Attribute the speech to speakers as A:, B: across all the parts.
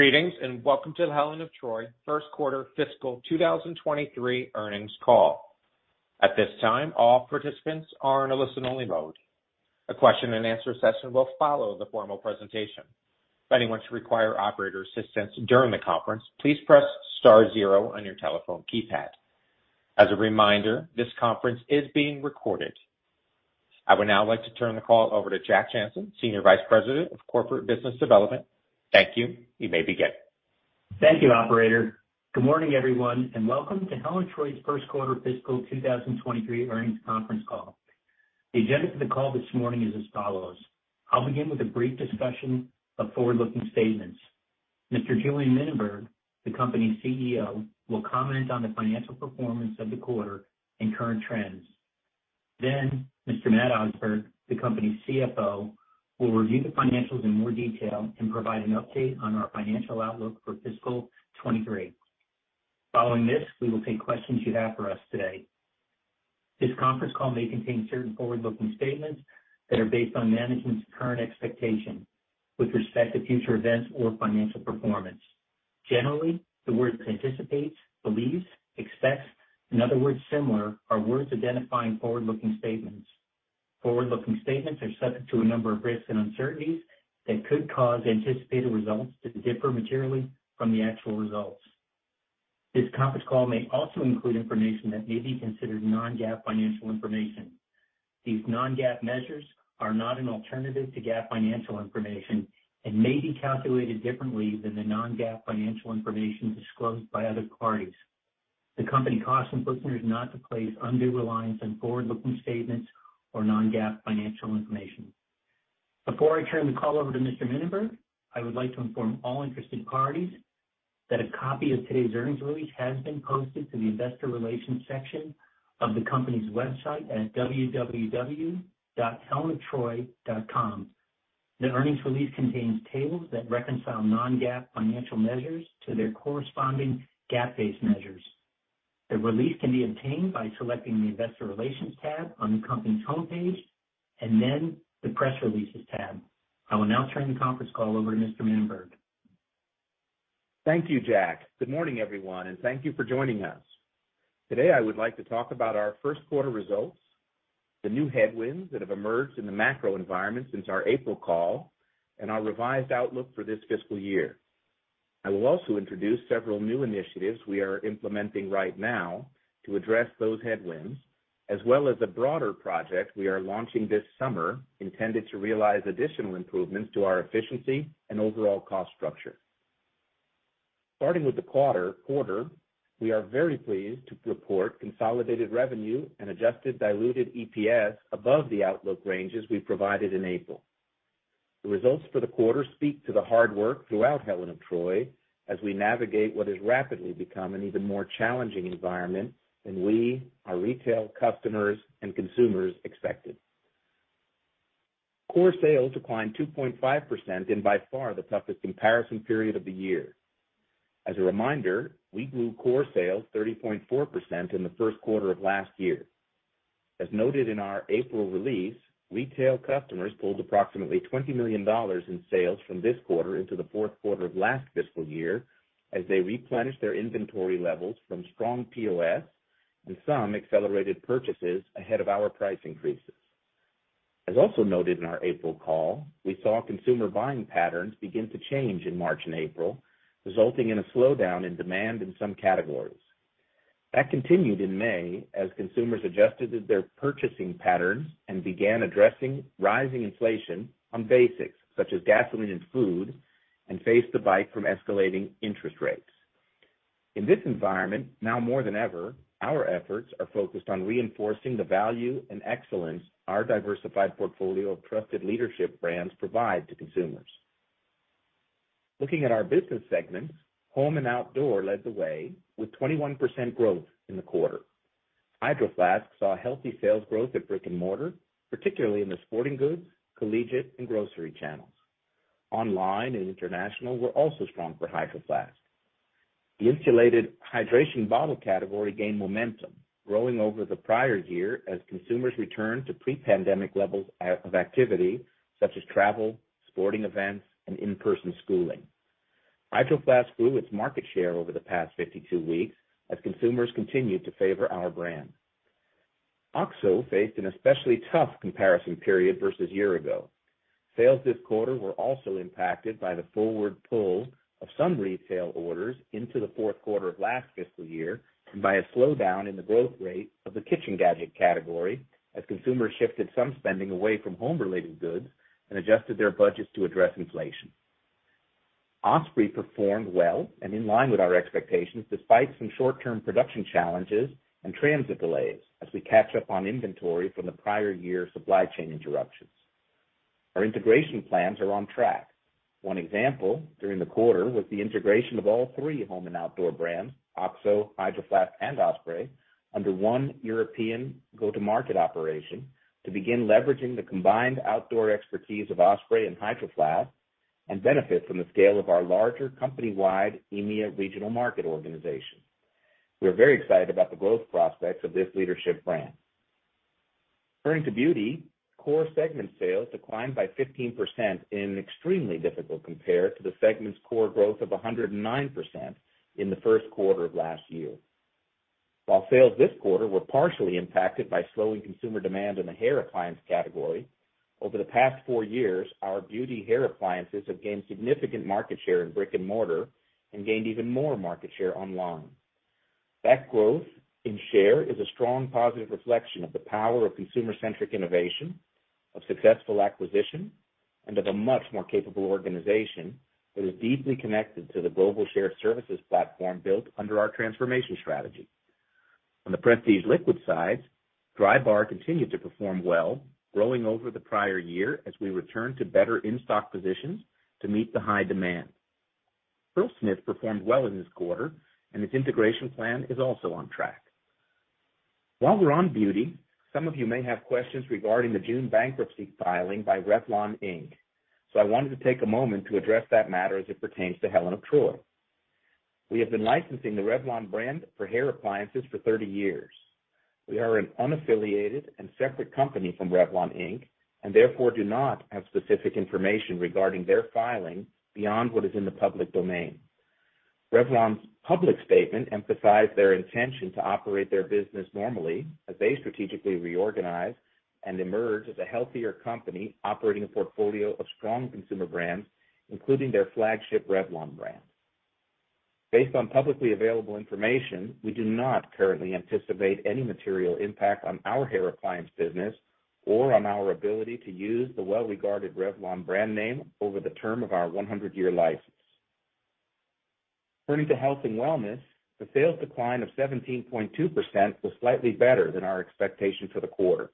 A: Greetings, and welcome to the Helen of Troy first quarter fiscal 2023 earnings call. At this time, all participants are in a listen only mode. A question and answer session will follow the formal presentation. If anyone should require operator assistance during the conference, please press star zero on your telephone keypad. As a reminder, this conference is being recorded. I would now like to turn the call over to Jack Jancin, Senior Vice President of Corporate Business Development. Thank you. You may begin.
B: Thank you, operator. Good morning, everyone, and welcome to Helen of Troy's first quarter fiscal 2023 earnings conference call. The agenda for the call this morning is as follows. I'll begin with a brief discussion of forward-looking statements. Mr. Julien Mininberg, the company's CEO, will comment on the financial performance of the quarter and current trends. Then Mr. Matt Osberg, the company's CFO, will review the financials in more detail and provide an update on our financial outlook for fiscal 2023. Following this, we will take questions you have for us today. This conference call may contain certain forward-looking statements that are based on management's current expectation with respect to future events or financial performance. Generally, the word anticipates, believes, expects and other words similar are words identifying forward-looking statements. Forward-looking statements are subject to a number of risks and uncertainties that could cause anticipated results to differ materially from the actual results. This conference call may also include information that may be considered non-GAAP financial information. These non-GAAP measures are not an alternative to GAAP financial information and may be calculated differently than the non-GAAP financial information disclosed by other parties. The company cautions listeners not to place undue reliance on forward-looking statements or non-GAAP financial information. Before I turn the call over to Mr. Mininberg, I would like to inform all interested parties that a copy of today's earnings release has been posted to the investor relations section of the company's website at www.helenoftroy.com. The earnings release contains tables that reconcile non-GAAP financial measures to their corresponding GAAP-based measures. The release can be obtained by selecting the Investor Relations tab on the company's homepage and then the Press Releases tab. I will now turn the conference call over to Mr. Mininberg.
C: Thank you, Jack. Good morning, everyone, and thank you for joining us. Today, I would like to talk about our first quarter results, the new headwinds that have emerged in the macro environment since our April call, and our revised outlook for this fiscal year. I will also introduce several new initiatives we are implementing right now to address those headwinds, as well as a broader project we are launching this summer intended to realize additional improvements to our efficiency and overall cost structure. Starting with the quarter, we are very pleased to report consolidated revenue and adjusted diluted EPS above the outlook ranges we provided in April. The results for the quarter speak to the hard work throughout Helen of Troy as we navigate what has rapidly become an even more challenging environment than we, our retail customers, and consumers expected. Core sales declined 2.5% in by far the toughest comparison period of the year. As a reminder, we grew core sales 30.4% in the first quarter of last year. As noted in our April release, retail customers pulled approximately $20 million in sales from this quarter into the fourth quarter of last fiscal year as they replenished their inventory levels from strong POS and some accelerated purchases ahead of our price increases. As also noted in our April call, we saw consumer buying patterns begin to change in March and April, resulting in a slowdown in demand in some categories. That continued in May as consumers adjusted their purchasing patterns and began addressing rising inflation on basics such as gasoline and food, and faced the bite from escalating interest rates. In this environment, now more than ever, our efforts are focused on reinforcing the value and excellence our diversified portfolio of trusted leadership brands provide to consumers. Looking at our business segments, Home and Outdoor led the way with 21% growth in the quarter. Hydro Flask saw healthy sales growth at brick-and-mortar, particularly in the sporting goods, collegiate and grocery channels. Online and international were also strong for Hydro Flask. The insulated hydration bottle category gained momentum, growing over the prior year as consumers returned to pre-pandemic levels of activity such as travel, sporting events, and in-person schooling. Hydro Flask grew its market share over the past 52 weeks as consumers continued to favor our brand. OXO faced an especially tough comparison period versus year-ago. Sales this quarter were also impacted by the forward pull of some retail orders into the fourth quarter of last fiscal year and by a slowdown in the growth rate of the kitchen gadget category as consumers shifted some spending away from home-related goods and adjusted their budgets to address inflation. Osprey performed well and in line with our expectations despite some short-term production challenges and transit delays as we catch up on inventory from the prior year supply chain interruptions. Our integration plans are on track. One example during the quarter was the integration of all three home and outdoor brands, OXO, Hydro Flask and Osprey, under one European go-to-market operation to begin leveraging the combined outdoor expertise of Osprey and Hydro Flask and benefit from the scale of our larger company-wide EMEA regional market organization. We are very excited about the growth prospects of this leadership brand. Turning to beauty, core segment sales declined by 15% in extremely difficult compare to the segment's core growth of 109% in the first quarter of last year. While sales this quarter were partially impacted by slowing consumer demand in the hair appliance category, over the past four years, our beauty hair appliances have gained significant market share in brick and mortar and gained even more market share online. That growth in share is a strong positive reflection of the power of consumer-centric innovation, of successful acquisition, and of a much more capable organization that is deeply connected to the global shared services platform built under our transformation strategy. On the prestige liquid side, Drybar continued to perform well, growing over the prior year as we return to better in-stock positions to meet the high demand. Curlsmith performed well in this quarter, and its integration plan is also on track. While we're on beauty, some of you may have questions regarding the June bankruptcy filing by Revlon, Inc. I wanted to take a moment to address that matter as it pertains to Helen of Troy. We have been licensing the Revlon brand for hair appliances for 30 years. We are an unaffiliated and separate company from Revlon, Inc., and therefore do not have specific information regarding their filing beyond what is in the public domain. Revlon's public statement emphasized their intention to operate their business normally as they strategically reorganize and emerge as a healthier company operating a portfolio of strong consumer brands, including their flagship Revlon brand. Based on publicly available information, we do not currently anticipate any material impact on our hair appliance business or on our ability to use the well-regarded Revlon brand name over the term of our 100-year license. Turning to health and wellness, the sales decline of 17.2% was slightly better than our expectation for the quarter.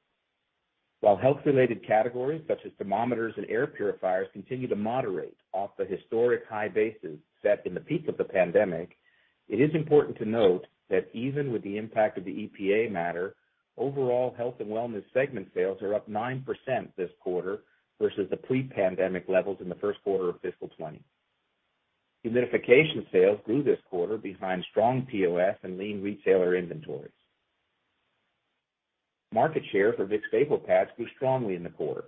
C: While health-related categories such as thermometers and air purifiers continue to moderate off the historic high bases set in the peak of the pandemic, it is important to note that even with the impact of the EPA matter, overall health and wellness segment sales are up 9% this quarter versus the pre-pandemic levels in the first quarter of fiscal 2020. Humidification sales grew this quarter behind strong POS and lean retailer inventories. Market share for Vicks vapor pads grew strongly in the quarter.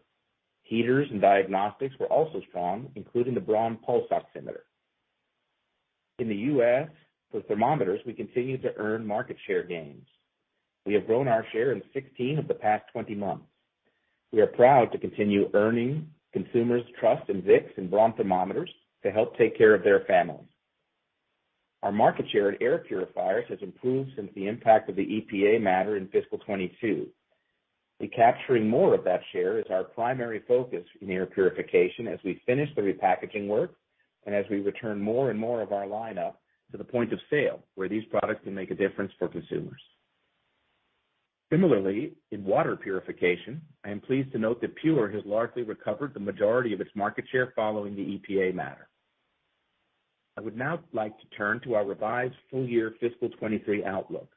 C: Heaters and diagnostics were also strong, including the Braun pulse oximeter. In the U.S., for thermometers, we continue to earn market share gains. We have grown our share in 16 of the past 20 months. We are proud to continue earning consumers' trust in Vicks and Braun thermometers to help take care of their families. Our market share at air purifiers has improved since the impact of the EPA matter in fiscal 2022. Recapturing more of that share is our primary focus in air purification as we finish the repackaging work and as we return more and more of our lineup to the point of sale where these products can make a difference for consumers. Similarly, in water purification, I am pleased to note that PUR has largely recovered the majority of its market share following the EPA matter. I would now like to turn to our revised full-year fiscal 2023 outlook.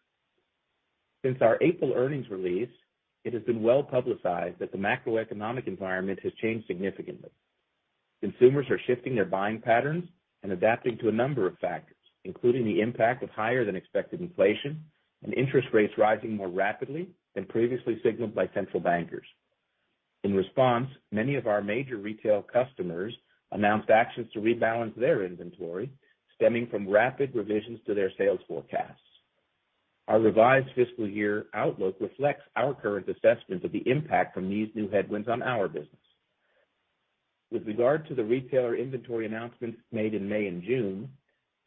C: Since our April earnings release, it has been well-publicized that the macroeconomic environment has changed significantly. Consumers are shifting their buying patterns and adapting to a number of factors, including the impact of higher than expected inflation and interest rates rising more rapidly than previously signaled by central bankers. In response, many of our major retail customers announced actions to rebalance their inventory, stemming from rapid revisions to their sales forecasts. Our revised fiscal year outlook reflects our current assessment of the impact from these new headwinds on our business. With regard to the retailer inventory announcements made in May and June,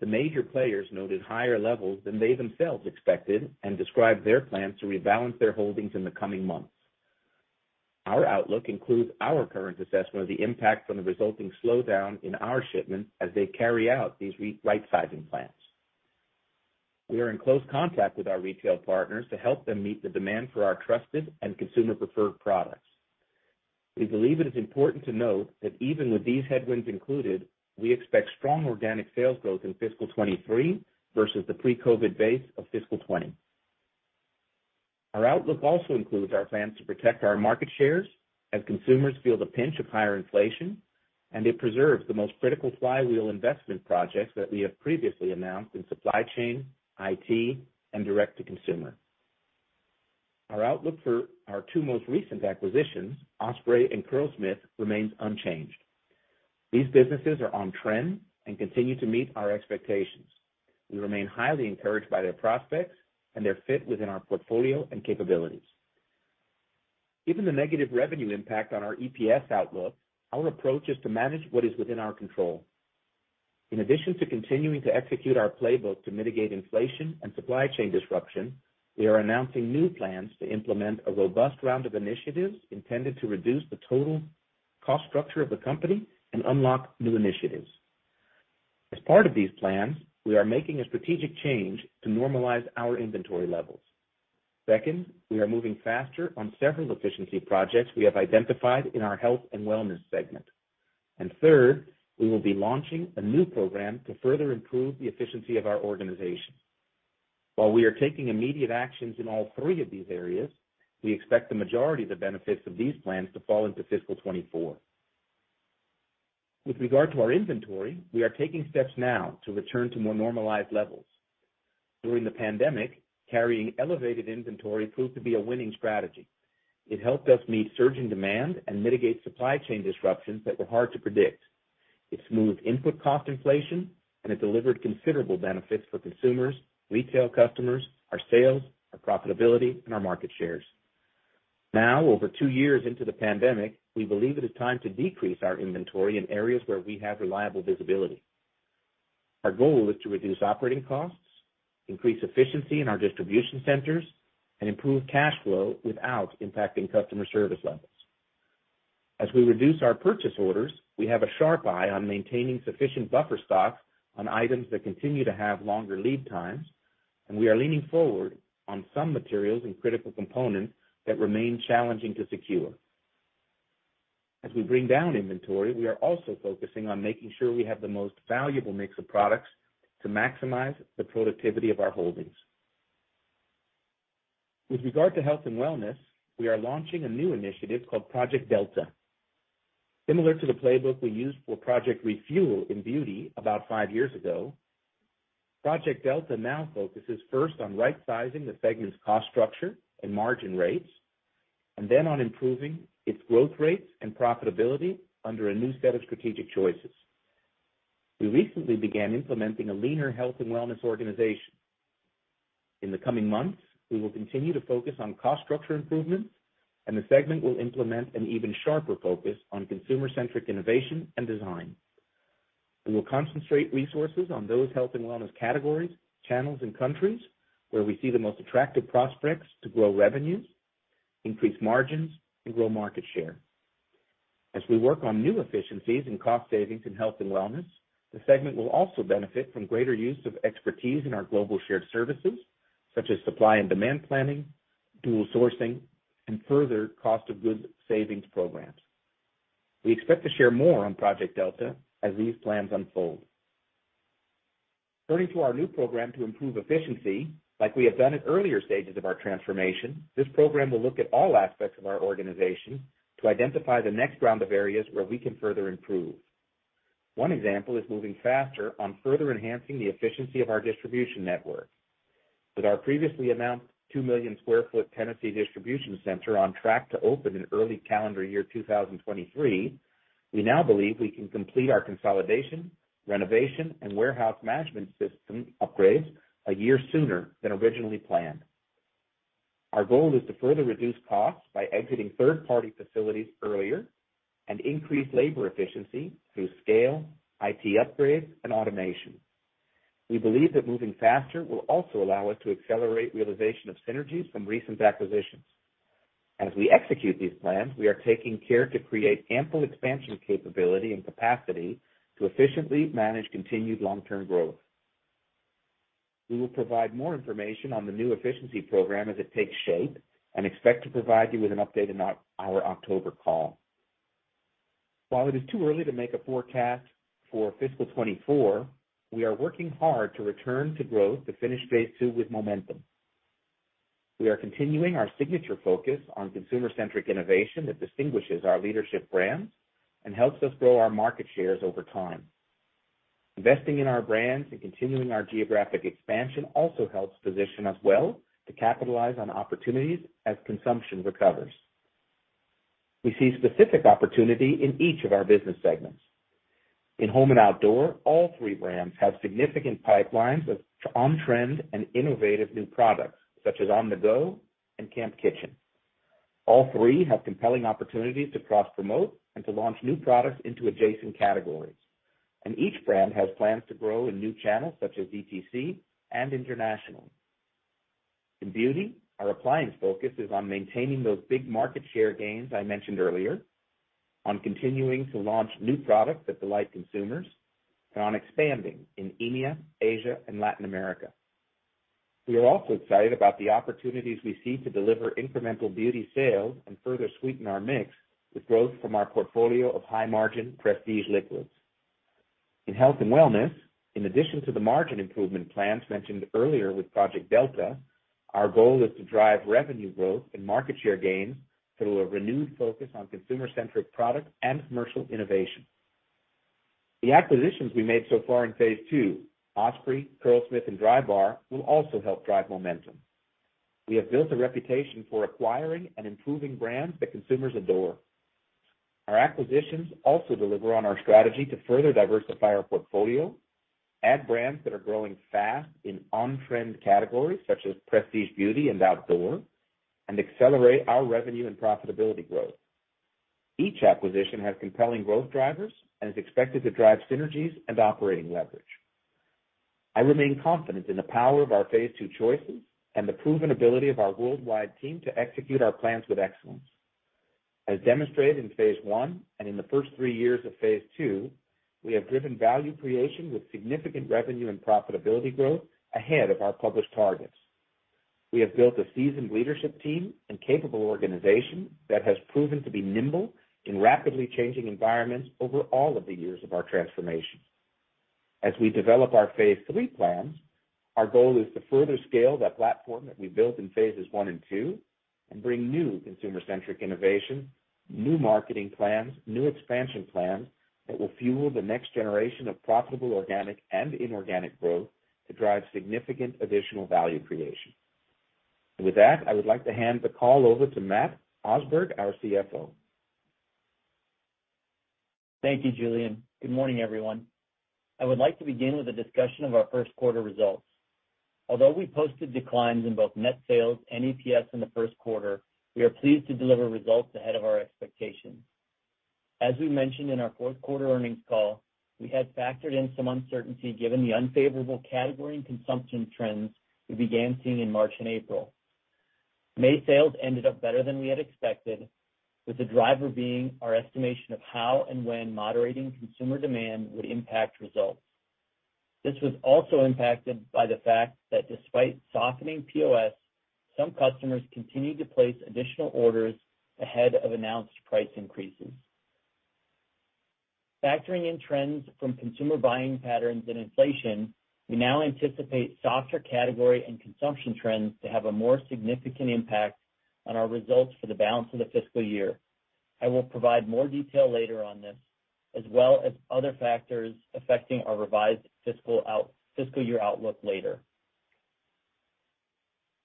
C: the major players noted higher levels than they themselves expected and described their plans to rebalance their holdings in the coming months. Our outlook includes our current assessment of the impact from the resulting slowdown in our shipments as they carry out these rightsizing plans. We are in close contact with our retail partners to help them meet the demand for our trusted and consumer-preferred products. We believe it is important to note that even with these headwinds included, we expect strong organic sales growth in fiscal 2023 versus the pre-COVID base of fiscal 2020. Our outlook also includes our plans to protect our market shares as consumers feel the pinch of higher inflation, and it preserves the most critical flywheel investment projects that we have previously announced in supply chain, IT, and direct-to-consumer. Our outlook for our two most recent acquisitions, Osprey and Curlsmith, remains unchanged. These businesses are on trend and continue to meet our expectations. We remain highly encouraged by their prospects and their fit within our portfolio and capabilities. Given the negative revenue impact on our EPS outlook, our approach is to manage what is within our control. In addition to continuing to execute our playbook to mitigate inflation and supply chain disruption, we are announcing new plans to implement a robust round of initiatives intended to reduce the total cost structure of the company and unlock new initiatives. As part of these plans, we are making a strategic change to normalize our inventory levels. Second, we are moving faster on several efficiency projects we have identified in our health and wellness segment. Third, we will be launching a new program to further improve the efficiency of our organization. While we are taking immediate actions in all three of these areas, we expect the majority of the benefits of these plans to fall into fiscal 2024. With regard to our inventory, we are taking steps now to return to more normalized levels. During the pandemic, carrying elevated inventory proved to be a winning strategy. It helped us meet surging demand and mitigate supply chain disruptions that were hard to predict. It smoothed input cost inflation, and it delivered considerable benefits for consumers, retail customers, our sales, our profitability, and our market shares. Now, over two years into the pandemic, we believe it is time to decrease our inventory in areas where we have reliable visibility. Our goal is to reduce operating costs, increase efficiency in our distribution centers, and improve cash flow without impacting customer service levels. As we reduce our purchase orders, we have a sharp eye on maintaining sufficient buffer stocks on items that continue to have longer lead times, and we are leaning forward on some materials and critical components that remain challenging to secure. As we bring down inventory, we are also focusing on making sure we have the most valuable mix of products to maximize the productivity of our holdings. With regard to health and wellness, we are launching a new initiative called Project Delta. Similar to the playbook we used for Project Refuel in beauty about five years ago, Project Delta now focuses first on right-sizing the segment's cost structure and margin rates, and then on improving its growth rates and profitability under a new set of strategic choices. We recently began implementing a leaner health and wellness organization. In the coming months, we will continue to focus on cost structure improvements, and the segment will implement an even sharper focus on consumer-centric innovation and design. We will concentrate resources on those health and wellness categories, channels, and countries where we see the most attractive prospects to grow revenues, increase margins, and grow market share. As we work on new efficiencies and cost savings in health and wellness, the segment will also benefit from greater use of expertise in our global shared services, such as supply and demand planning, dual sourcing, and further cost of goods savings programs. We expect to share more on Project Delta as these plans unfold. Turning to our new program to improve efficiency, like we have done at earlier stages of our transformation, this program will look at all aspects of our organization to identify the next round of areas where we can further improve. One example is moving faster on further enhancing the efficiency of our distribution network. With our previously announced 2 million sq ft Tennessee distribution center on track to open in early calendar year 2023, we now believe we can complete our consolidation, renovation, and warehouse management system upgrades a year sooner than originally planned. Our goal is to further reduce costs by exiting third-party facilities earlier and increase labor efficiency through scale, IT upgrades, and automation. We believe that moving faster will also allow us to accelerate realization of synergies from recent acquisitions. As we execute these plans, we are taking care to create ample expansion capability and capacity to efficiently manage continued long-term growth. We will provide more information on the new efficiency program as it takes shape and expect to provide you with an update in our October call. While it is too early to make a forecast for fiscal 2024, we are working hard to return to growth to finish Phase II with momentum. We are continuing our signature focus on consumer-centric innovation that distinguishes our leadership brands and helps us grow our market shares over time. Investing in our brands and continuing our geographic expansion also helps position us well to capitalize on opportunities as consumption recovers. We see specific opportunity in each of our business segments. In home and outdoor, all three brands have significant pipelines of on-trend and innovative new products, such as On-The-Go and Outdoor Kitchen. All three have compelling opportunities to cross-promote and to launch new products into adjacent categories. Each brand has plans to grow in new channels such as DTC and international. In beauty, our primary focus is on maintaining those big market share gains I mentioned earlier, on continuing to launch new products that delight consumers, and on expanding in EMEA, Asia, and Latin America. We are also excited about the opportunities we see to deliver incremental beauty sales and further sweeten our mix with growth from our portfolio of high-margin prestige liquids. In health and wellness, in addition to the margin improvement plans mentioned earlier with Project Delta, our goal is to drive revenue growth and market share gains through a renewed focus on consumer-centric products and commercial innovation. The acquisitions we made so far in Phase II, Osprey, Curlsmith, and Drybar, will also help drive momentum. We have built a reputation for acquiring and improving brands that consumers adore. Our acquisitions also deliver on our strategy to further diversify our portfolio, add brands that are growing fast in on-trend categories such as prestige beauty and outdoor, and accelerate our revenue and profitability growth. Each acquisition has compelling growth drivers and is expected to drive synergies and operating leverage. I remain confident in the power of our Phase II choices and the proven ability of our worldwide team to execute our plans with excellence. As demonstrated in Phase I and in the first three years of Phase II, we have driven value creation with significant revenue and profitability growth ahead of our published targets. We have built a seasoned leadership team and capable organization that has proven to be nimble in rapidly changing environments over all of the years of our transformation. As we develop our Phase III plans, our goal is to further scale the platform that we built in Phases I and II and bring new consumer-centric innovation, new marketing plans, new expansion plans that will fuel the next generation of profitable organic and inorganic growth to drive significant additional value creation. With that, I would like to hand the call over to Matt Osberg, our CFO.
D: Thank you, Julien. Good morning, everyone. I would like to begin with a discussion of our first quarter results. Although we posted declines in both net sales and EPS in the first quarter, we are pleased to deliver results ahead of our expectations. As we mentioned in our fourth quarter earnings call, we had factored in some uncertainty given the unfavorable category and consumption trends we began seeing in March and April. May sales ended up better than we had expected, with the driver being our estimation of how and when moderating consumer demand would impact results. This was also impacted by the fact that despite softening POS, some customers continued to place additional orders ahead of announced price increases. Factoring in trends from consumer buying patterns and inflation, we now anticipate softer category and consumption trends to have a more significant impact on our results for the balance of the fiscal year. I will provide more detail later on this, as well as other factors affecting our revised fiscal year outlook later.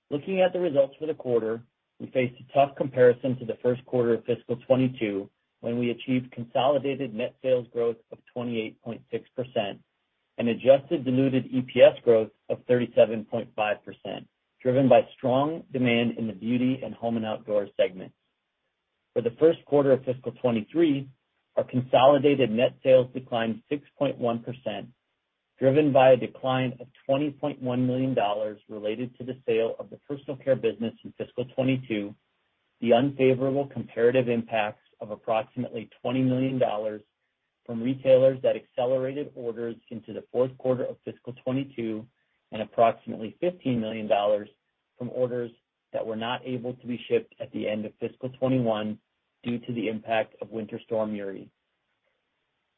D: Looking at the results for the quarter, we faced a tough comparison to the first quarter of fiscal 2022, when we achieved consolidated net sales growth of 28.6% and adjusted diluted EPS growth of 37.5%, driven by strong demand in the beauty and home and outdoor segments. For the first quarter of fiscal 2023, our consolidated net sales declined 6.1%, driven by a decline of $20.1 million related to the sale of the personal care business in fiscal 2022, the unfavorable comparative impacts of approximately $20 million from retailers that accelerated orders into the fourth quarter of fiscal 2022 and approximately $15 million from orders that were not able to be shipped at the end of fiscal 2021 due to the impact of Winter Storm Uri.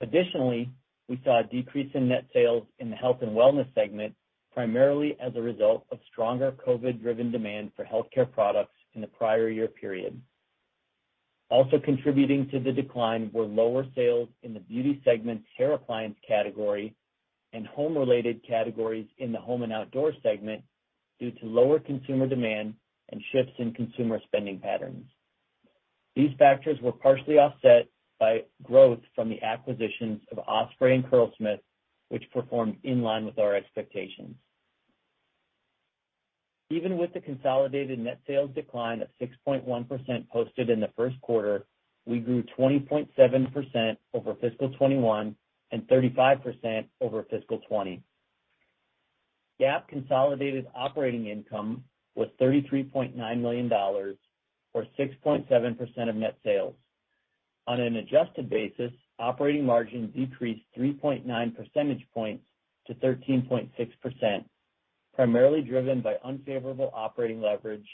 D: Additionally, we saw a decrease in net sales in the health and wellness segment, primarily as a result of stronger COVID-driven demand for healthcare products in the prior year period. Also contributing to the decline were lower sales in the beauty segment's hair appliance category and home-related categories in the home and outdoor segment due to lower consumer demand and shifts in consumer spending patterns. These factors were partially offset by growth from the acquisitions of Osprey and Curlsmith, which performed in line with our expectations. Even with the consolidated net sales decline of 6.1% posted in the first quarter, we grew 20.7% over fiscal 2021 and 35% over fiscal 2020. GAAP consolidated operating income was $33.9 million, or 6.7% of net sales. On an adjusted basis, operating margin decreased 3.9 percentage points to 13.6%, primarily driven by unfavorable operating leverage,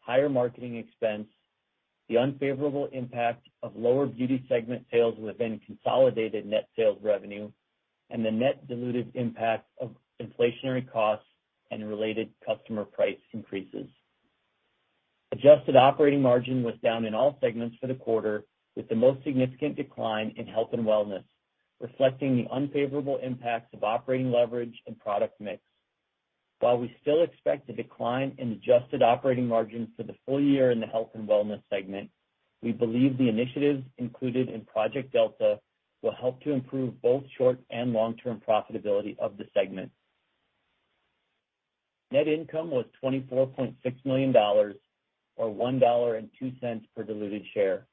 D: higher marketing expense, the unfavorable impact of lower beauty segment sales within consolidated net sales revenue, and the net dilutive impact of inflationary costs and related customer price increases. Adjusted operating margin was down in all segments for the quarter, with the most significant decline in health and wellness, reflecting the unfavorable impacts of operating leverage and product mix. While we still expect a decline in adjusted operating margins for the full year in the health and wellness segment, we believe the initiatives included in Project Delta will help to improve both short- and long-term profitability of the segment. Net income was $24.6 million, or $1.02 per diluted share.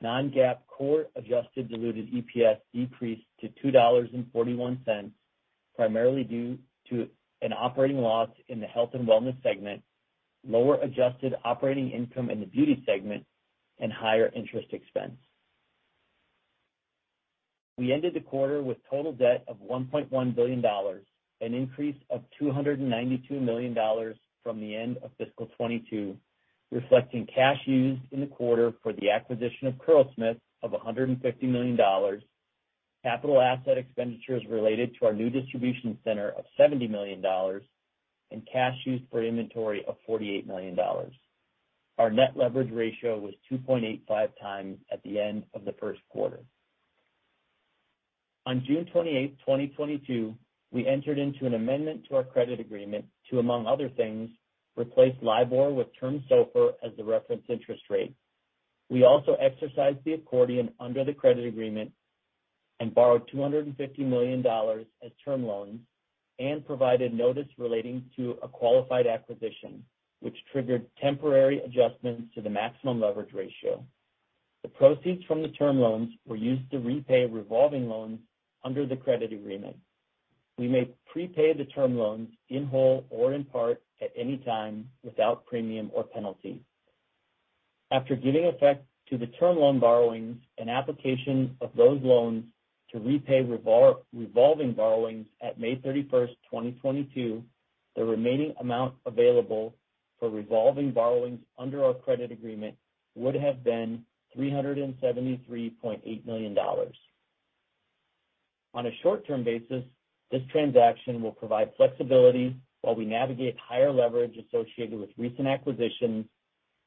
D: non-GAAP core adjusted diluted EPS decreased to $2.41, primarily due to an operating loss in the health and wellness segment, lower adjusted operating income in the beauty segment, and higher interest expense. We ended the quarter with total debt of $1.1 billion, an increase of $292 million from the end of fiscal 2022, reflecting cash used in the quarter for the acquisition of Curlsmith of $150 million, capital asset expenditures related to our new distribution center of $70 million, and cash used for inventory of $48 million. Our net leverage ratio was 2.85 times at the end of the first quarter. On June 28, 2022, we entered into an amendment to our credit agreement to, among other things, replace LIBOR with Term SOFR as the reference interest rate. We also exercised the accordion under the credit agreement and borrowed $250 million as term loans and provided notice relating to a qualified acquisition, which triggered temporary adjustments to the maximum leverage ratio. The proceeds from the term loans were used to repay revolving loans under the credit agreement. We may prepay the term loans in whole or in part at any time without premium or penalty. After giving effect to the term loan borrowings and application of those loans to repay revolving borrowings at May 31, 2022, the remaining amount available for revolving borrowings under our credit agreement would have been $373.8 million. On a short-term basis, this transaction will provide flexibility while we navigate higher leverage associated with recent acquisitions,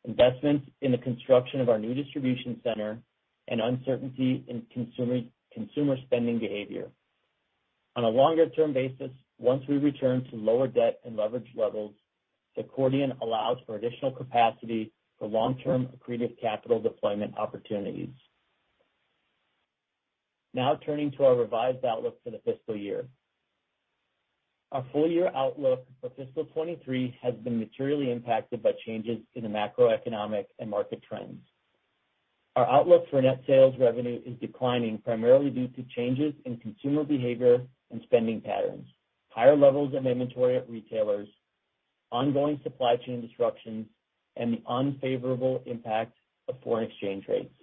D: investments in the construction of our new distribution center, and uncertainty in consumer spending behavior. On a longer-term basis, once we return to lower debt and leverage levels, the accordion allows for additional capacity for long-term accretive capital deployment opportunities. Now turning to our revised outlook for the fiscal year. Our full year outlook for fiscal 2023 has been materially impacted by changes in the macroeconomic and market trends. Our outlook for net sales revenue is declining primarily due to changes in consumer behavior and spending patterns, higher levels of inventory at retailers, ongoing supply chain disruptions, and the unfavorable impact of foreign exchange rates.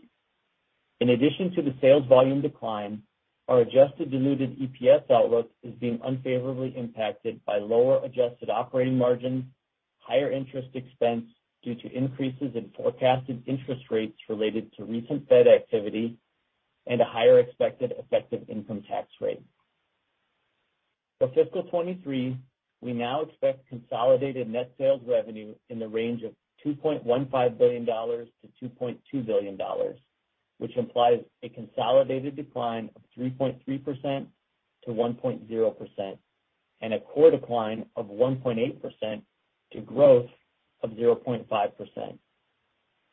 D: In addition to the sales volume decline, our adjusted diluted EPS outlook is being unfavorably impacted by lower adjusted operating margin, higher interest expense due to increases in forecasted interest rates related to recent Fed Activity, and a higher expected effective income tax rate. For fiscal 2023, we now expect consolidated net sales revenue in the range of $2.15 billion-$2.2 billion, which implies a consolidated decline of 3.3%-1.0% and a core decline of 1.8% to growth of 0.5%.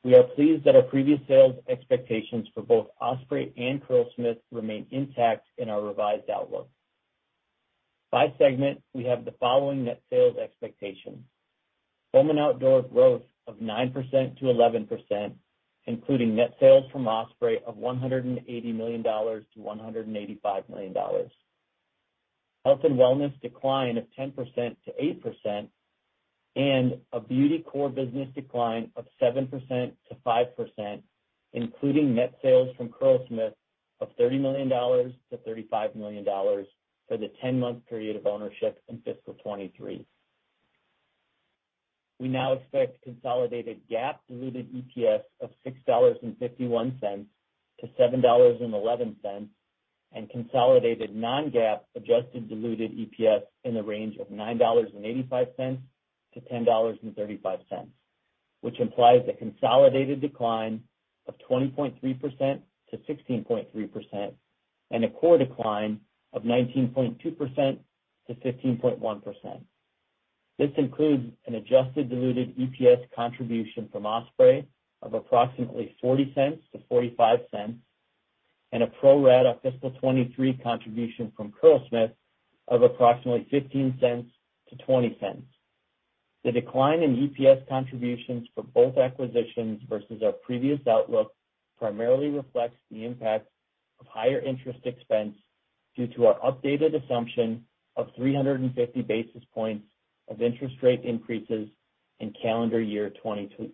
D: We are pleased that our previous sales expectations for both Osprey and Curlsmith remain intact in our revised outlook. By segment, we have the following net sales expectations. Home & Outdoor growth of 9%-11%, including net sales from Osprey of $180 million-$185 million. Health and Wellness decline of 10%-8%, and a Beauty core business decline of 7%-5%, including net sales from Curlsmith of $30 million-$35 million for the ten-month period of ownership in fiscal 2023. We now expect consolidated GAAP diluted EPS of $6.51-$7.11, and consolidated non-GAAP adjusted diluted EPS in the range of $9.85-$10.35, which implies a consolidated decline of 20.3%-16.3% and a core decline of 19.2%-15.1%. This includes an adjusted diluted EPS contribution from Osprey of approximately $0.40-$0.45 and a pro-rata fiscal 2023 contribution from Curlsmith of approximately $0.15-$0.20. The decline in EPS contributions for both acquisitions versus our previous outlook primarily reflects the impact of higher interest expense due to our updated assumption of 350 basis points of interest rate increases in calendar year 2022.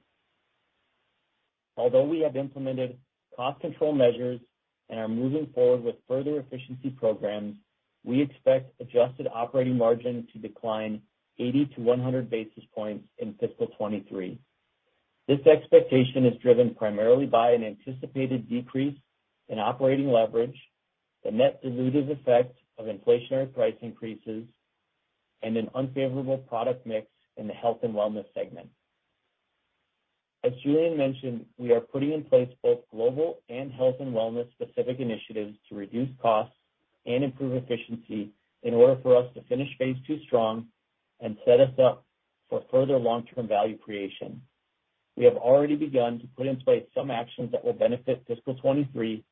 D: Although we have implemented cost control measures and are moving forward with further efficiency programs, we expect adjusted operating margin to decline 80-100 basis points in fiscal 2023. This expectation is driven primarily by an anticipated decrease in operating leverage, the net dilutive effect of inflationary price increases, and an unfavorable product mix in the Health and Wellness segment. As Julien mentioned, we are putting in place both global and Health and Wellness specific initiatives to reduce costs and improve efficiency in order for us to finish Phase II strong and set us up for further long-term value creation. We have already begun to put in place some actions that will benefit fiscal 2023,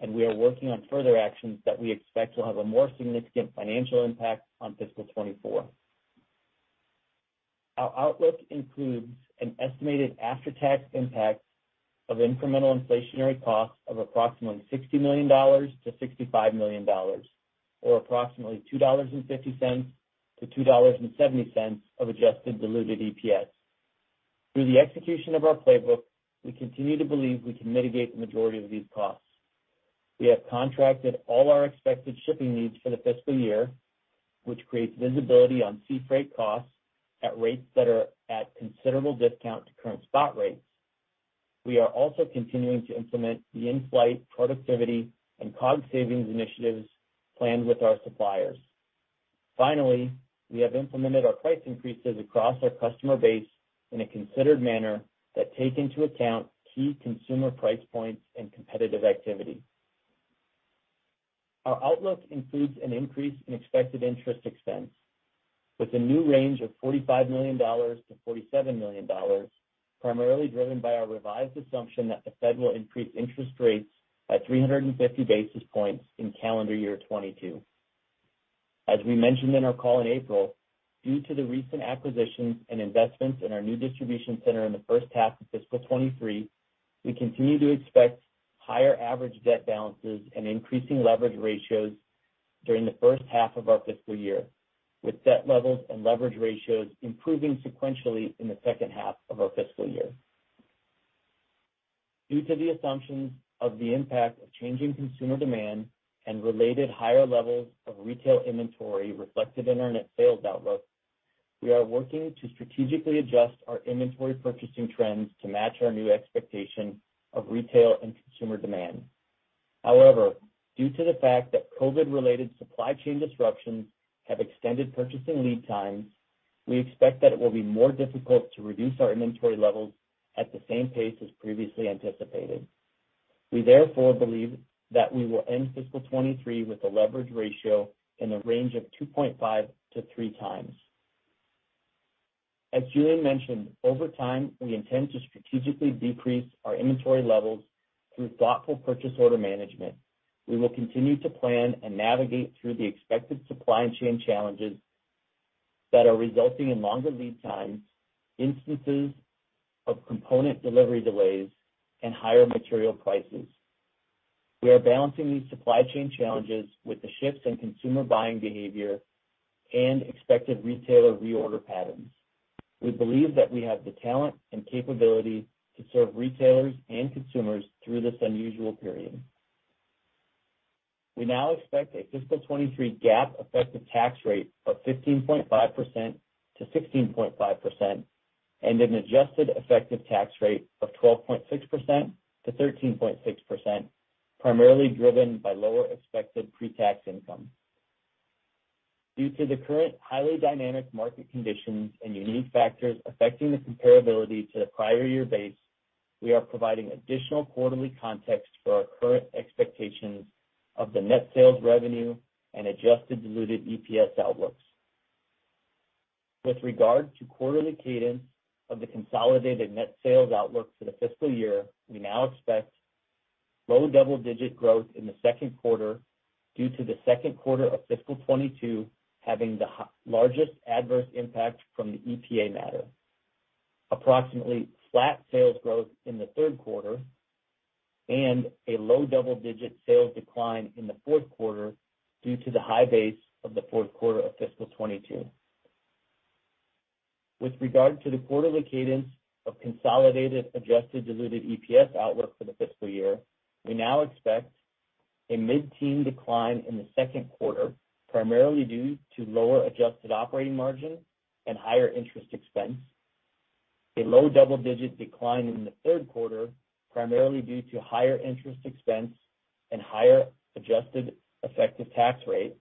D: and we are working on further actions that we expect will have a more significant financial impact on fiscal 2024. Our outlook includes an estimated after-tax impact of incremental inflationary costs of approximately $60 million-$65 million, or approximately $2.50-$2.70 of adjusted diluted EPS. Through the execution of our playbook, we continue to believe we can mitigate the majority of these costs. We have contracted all our expected shipping needs for the fiscal year, which creates visibility on sea freight costs at rates that are at considerable discount to current spot rates. We are also continuing to implement the in-flight productivity and COGS savings initiatives planned with our suppliers. Finally, we have implemented our price increases across our customer base in a considered manner that take into account key consumer price points and competitive activity. Our outlook includes an increase in expected interest expense with a new range of $45 million-$47 million, primarily driven by our revised assumption that the Fed will increase interest rates by 350 basis points in calendar year 2022. As we mentioned in our call in April, due to the recent acquisitions and investments in our new distribution center in the first half of fiscal 2023, we continue to expect higher average debt balances and increasing leverage ratios during the first half of our fiscal year, with debt levels and leverage ratios improving sequentially in the second half of our fiscal year. Due to the assumptions of the impact of changing consumer demand and related higher levels of retail inventory reflected in our net sales outlook, we are working to strategically adjust our inventory purchasing trends to match our new expectation of retail and consumer demand. However, due to the fact that COVID related supply chain disruptions have extended purchasing lead times, we expect that it will be more difficult to reduce our inventory levels at the same pace as previously anticipated. We therefore believe that we will end fiscal 2023 with a leverage ratio in the range of 2.5-3 times. As Julien mentioned, over time, we intend to strategically decrease our inventory levels through thoughtful purchase order management. We will continue to plan and navigate through the expected supply chain challenges that are resulting in longer lead times, instances of component delivery delays, and higher material prices. We are balancing these supply chain challenges with the shifts in consumer buying behavior and expected retailer reorder patterns. We believe that we have the talent and capability to serve retailers and consumers through this unusual period. We now expect a fiscal 2023 GAAP effective tax rate of 15.5%-16.5% and an adjusted effective tax rate of 12.6%-13.6%, primarily driven by lower expected pre-tax income. Due to the current highly dynamic market conditions and unique factors affecting the comparability to the prior year base, we are providing additional quarterly context for our current expectations of the net sales revenue and adjusted diluted EPS outlooks. With regard to quarterly cadence of the consolidated net sales outlook for the fiscal year, we now expect low double-digit growth in the second quarter due to the second quarter of fiscal 2022 having the largest adverse impact from the EPA matter. Approximately flat sales growth in the third quarter and a low double-digit sales decline in the fourth quarter due to the high base of the fourth quarter of fiscal 2022. With regard to the quarterly cadence of consolidated adjusted diluted EPS outlook for the fiscal year, we now expect a mid-teen decline in the second quarter, primarily due to lower adjusted operating margin and higher interest expense. A low double-digit decline in the third quarter, primarily due to higher interest expense and higher adjusted effective tax rate,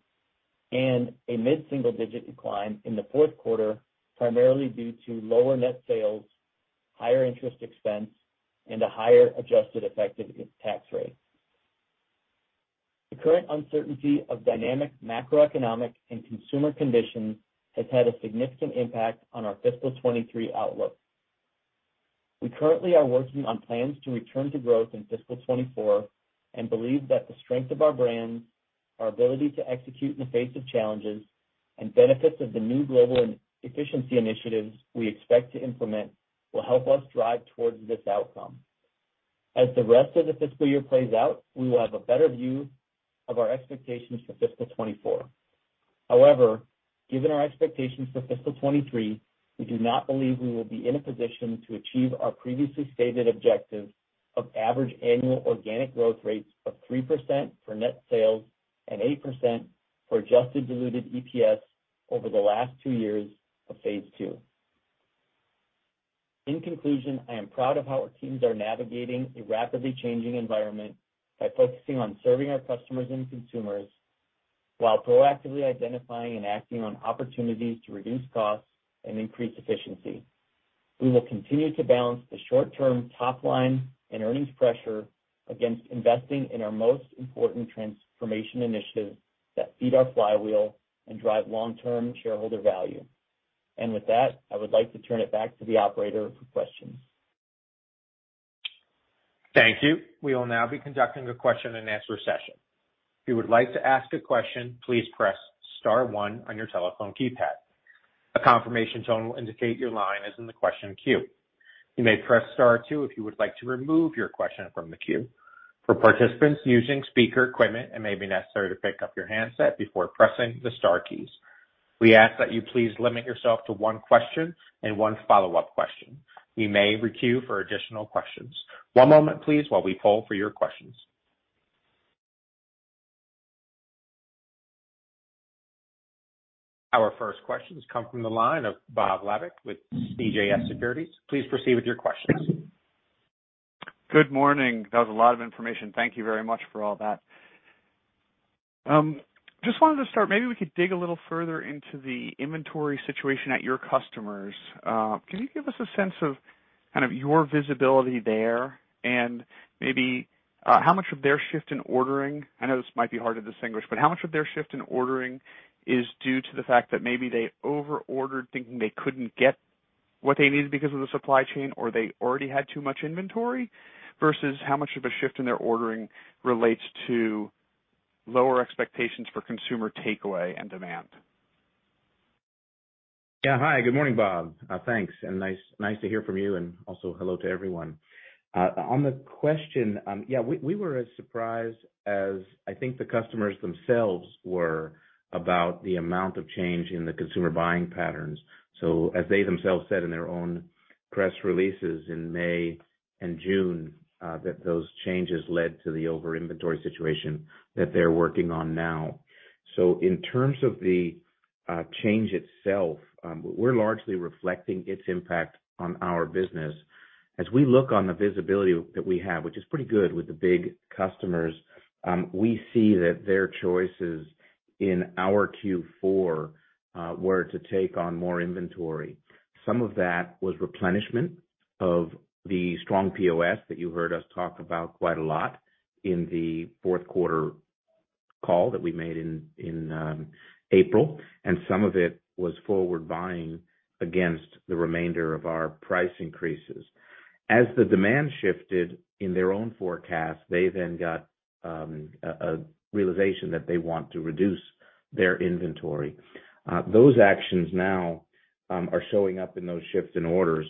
D: and a mid-single digit decline in the fourth quarter, primarily due to lower net sales, higher interest expense, and a higher adjusted effective tax rate. The current uncertainty of dynamic macroeconomic and consumer conditions has had a significant impact on our fiscal 2023 outlook. We currently are working on plans to return to growth in fiscal 2024 and believe that the strength of our brands, our ability to execute in the face of challenges, and benefits of the new global efficiency initiatives we expect to implement will help us drive towards this outcome. As the rest of the fiscal year plays out, we will have a better view of our expectations for fiscal 2024. However, given our expectations for fiscal 2023, we do not believe we will be in a position to achieve our previously stated objective of average annual organic growth rates of 3% for net sales and 8% for adjusted diluted EPS over the last two years of Phase II. In conclusion, I am proud of how our teams are navigating a rapidly changing environment by focusing on serving our customers and consumers while proactively identifying and acting on opportunities to reduce costs and increase efficiency. We will continue to balance the short term top line and earnings pressure against investing in our most important transformation initiatives that feed our flywheel and drive long-term shareholder value. With that, I would like to turn it back to the operator for questions.
A: Thank you. We will now be conducting a question and answer session. If you would like to ask a question, please press star one on your telephone keypad. A confirmation tone will indicate your line is in the question queue. You may press star two if you would like to remove your question from the queue. For participants using speaker equipment, it may be necessary to pick up your handset before pressing the star keys. We ask that you please limit yourself to one question and one follow-up question. You may re-queue for additional questions. One moment, please, while we poll for your questions. Our first questions come from the line of Bob Labick with CJS Securities. Please proceed with your question.
E: Good morning. That was a lot of information. Thank you very much for all that. Just wanted to start, maybe we could dig a little further into the inventory situation at your customers. Can you give us a sense of kind of your visibility there and maybe, how much of their shift in ordering, I know this might be hard to distinguish, but how much of their shift in ordering is due to the fact that maybe they over-ordered thinking they couldn't get what they needed because of the supply chain or they already had too much inventory versus how much of a shift in their ordering relates to lower expectations for consumer takeaway and demand?
C: Yeah. Hi, good morning, Bob. Thanks, and nice to hear from you and also hello to everyone. On the question, yeah, we were as surprised as I think the customers themselves were about the amount of change in the consumer buying patterns. As they themselves said in their own Press releases in May and June that those changes led to the over inventory situation that they're working on now. In terms of the change itself, we're largely reflecting its impact on our business. As we look on the visibility that we have, which is pretty good with the big customers, we see that their choices in our Q4 were to take on more inventory. Some of that was replenishment of the strong POS that you heard us talk about quite a lot in the fourth quarter call that we made in April, and some of it was forward buying against the remainder of our price increases. As the demand shifted in their own forecast, they then got a realization that they want to reduce their inventory. Those actions now are showing up in those shifts in orders.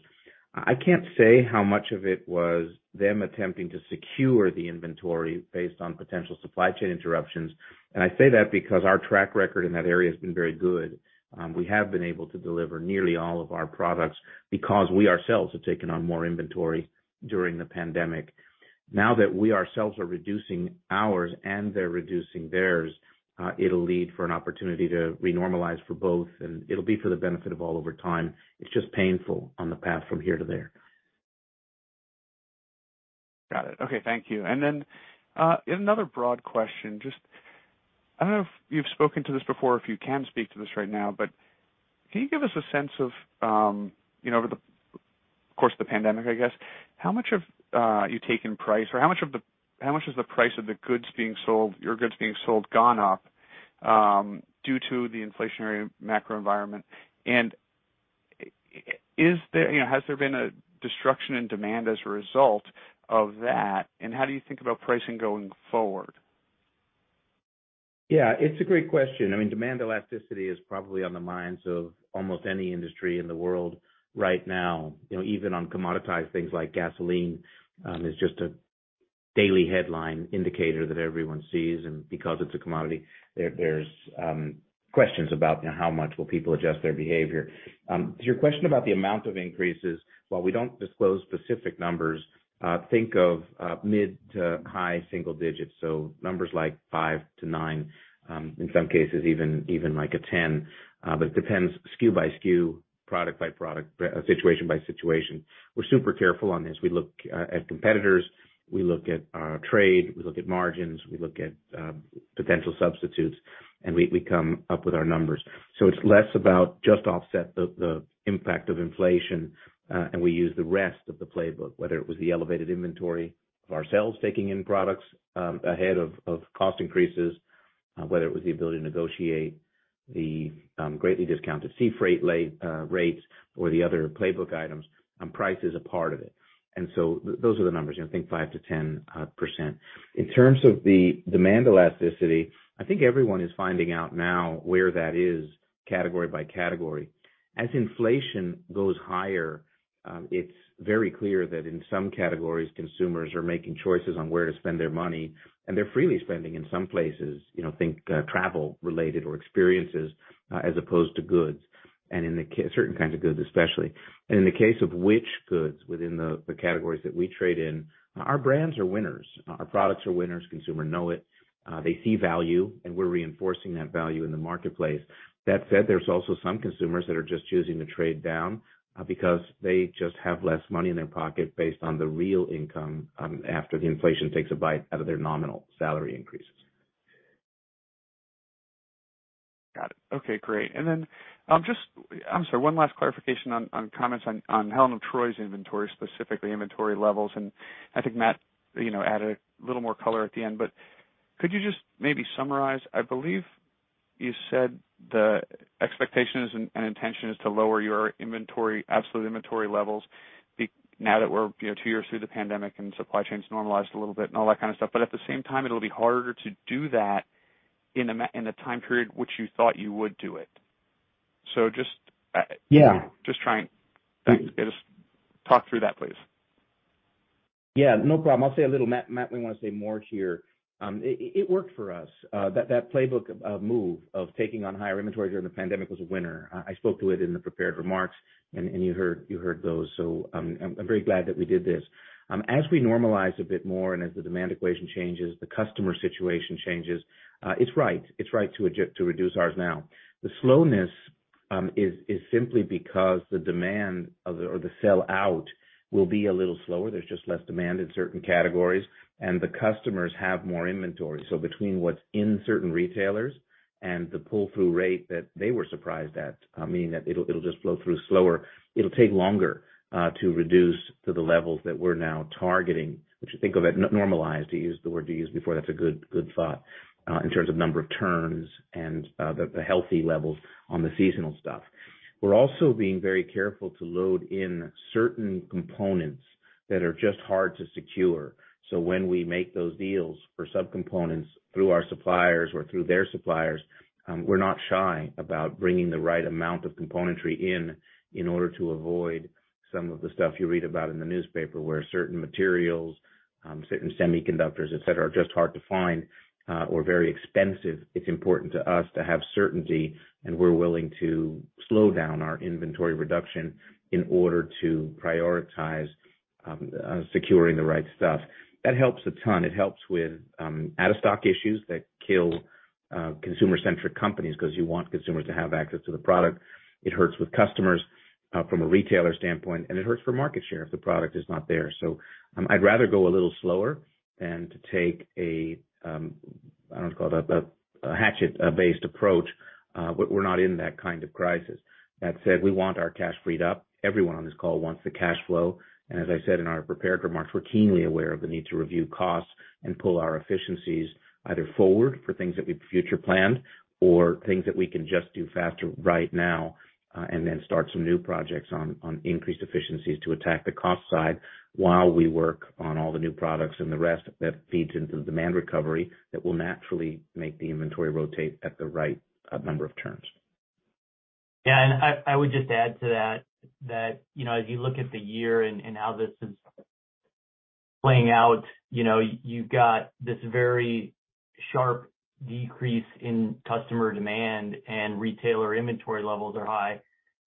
C: I can't say how much of it was them attempting to secure the inventory based on potential supply chain interruptions. I say that because our track record in that area has been very good. We have been able to deliver nearly all of our products because we ourselves have taken on more inventory during the pandemic. Now that we ourselves are reducing ours and they're reducing theirs, it'll lead to an opportunity to renormalize for both, and it'll be for the benefit of all over time. It's just painful on the path from here to there.
E: Got it. Okay, thank you. Another broad question. Just, I don't know if you've spoken to this before, if you can speak to this right now, but can you give us a sense of, you know, over the course of the pandemic, I guess. How much have you taken price or how much has the price of the goods being sold, your goods being sold gone up, due to the inflationary macro environment? And is there, you know, has there been a destruction in demand as a result of that? And how do you think about pricing going forward?
C: Yeah, it's a great question. I mean, demand elasticity is probably on the minds of almost any industry in the world right now. You know, even on commoditized things like gasoline is just a daily headline indicator that everyone sees. Because it's a commodity, there's questions about, you know, how much will people adjust their behavior. To your question about the amount of increases, while we don't disclose specific numbers, think of mid- to high-single digits, so numbers like 5-9, in some cases, even like a 10. But it depends SKU by SKU, product by product, situation by situation. We're super careful on this. We look at competitors, we look at our trade, we look at margins, we look at potential substitutes, and we come up with our numbers. It's less about just offsetting the impact of inflation, and we use the rest of the playbook, whether it was the elevated inventory of ourselves taking in products ahead of cost increases, whether it was the ability to negotiate the greatly discounted sea freight rates or the other playbook items, and price is a part of it. Those are the numbers. You know, think 5%-10%. In terms of the demand elasticity, I think everyone is finding out now where that is category by category. As inflation goes higher, it's very clear that in some categories, consumers are making choices on where to spend their money, and they're freely spending in some places, you know, think travel related or experiences as opposed to goods, and in certain kinds of goods especially. In the case of which goods within the categories that we trade in, our brands are winners, our products are winners. Consumers know it. They see value, and we're reinforcing that value in the marketplace. That said, there's also some consumers that are just choosing to trade down, because they just have less money in their pocket based on the real income, after the inflation takes a bite out of their nominal salary increases.
E: Got it. Okay, great. Just I'm sorry, one last clarification on comments on Helen of Troy's inventory, specifically inventory levels. I think Matt, you know, added a little more color at the end. Could you just maybe summarize? I believe you said the expectation is, and intention is to lower your inventory, absolute inventory levels now that we're, you know, two years through the pandemic and supply chain's normalized a little bit and all that kind of stuff. At the same time, it'll be harder to do that in the time period which you thought you would do it. Just,
C: Yeah.
E: Thanks. Just talk through that, please.
C: Yeah, no problem. I'll say a little. Matt may wanna say more here. It worked for us. That playbook of move of taking on higher inventory during the pandemic was a winner. I spoke to it in the prepared remarks, and you heard those. I'm very glad that we did this. As we normalize a bit more and as the demand equation changes, the customer situation changes, it's right to reduce ours now. The slowness is simply because the demand or the sell out will be a little slower. There's just less demand in certain categories, and the customers have more inventory. Between what's in certain retailers and the pull-through rate that they were surprised at, I mean, that it'll just flow through slower. It'll take longer to reduce to the levels that we're now targeting, which think of it normalized, to use the word you used before. That's a good thought in terms of number of turns and the healthy levels on the seasonal stuff. We're also being very careful to load in certain components that are just hard to secure. When we make those deals for subcomponents through our suppliers or through their suppliers, we're not shy about bringing the right amount of componentry in order to avoid some of the stuff you read about in the newspaper, where certain materials, certain semiconductors, et cetera, are just hard to find or very expensive. It's important to us to have certainty, and we're willing to slow down our inventory reduction in order to prioritize securing the right stuff. That helps a ton. It helps with out-of-stock issues that kill consumer-centric companies, 'cause you want consumers to have access to the product. It hurts with customers from a retailer standpoint, and it hurts for market share if the product is not there. I'd rather go a little slower than to take a I don't call it a hatchet based approach. We're not in that kind of crisis. That said, we want our cash freed up. Everyone on this call wants the cash flow. As I said in our prepared remarks, we're keenly aware of the need to review costs and pull our efficiencies either forward for things that we've future planned or things that we can just do faster right now, and then start some new projects on increased efficiencies to attack the cost side while we work on all the new products and the rest that feeds into the demand recovery that will naturally make the inventory rotate at the right, number of turns.
D: Yeah. I would just add to that, you know, as you look at the year and how this is playing out, you know, you've got this very sharp decrease in customer demand, and retailer inventory levels are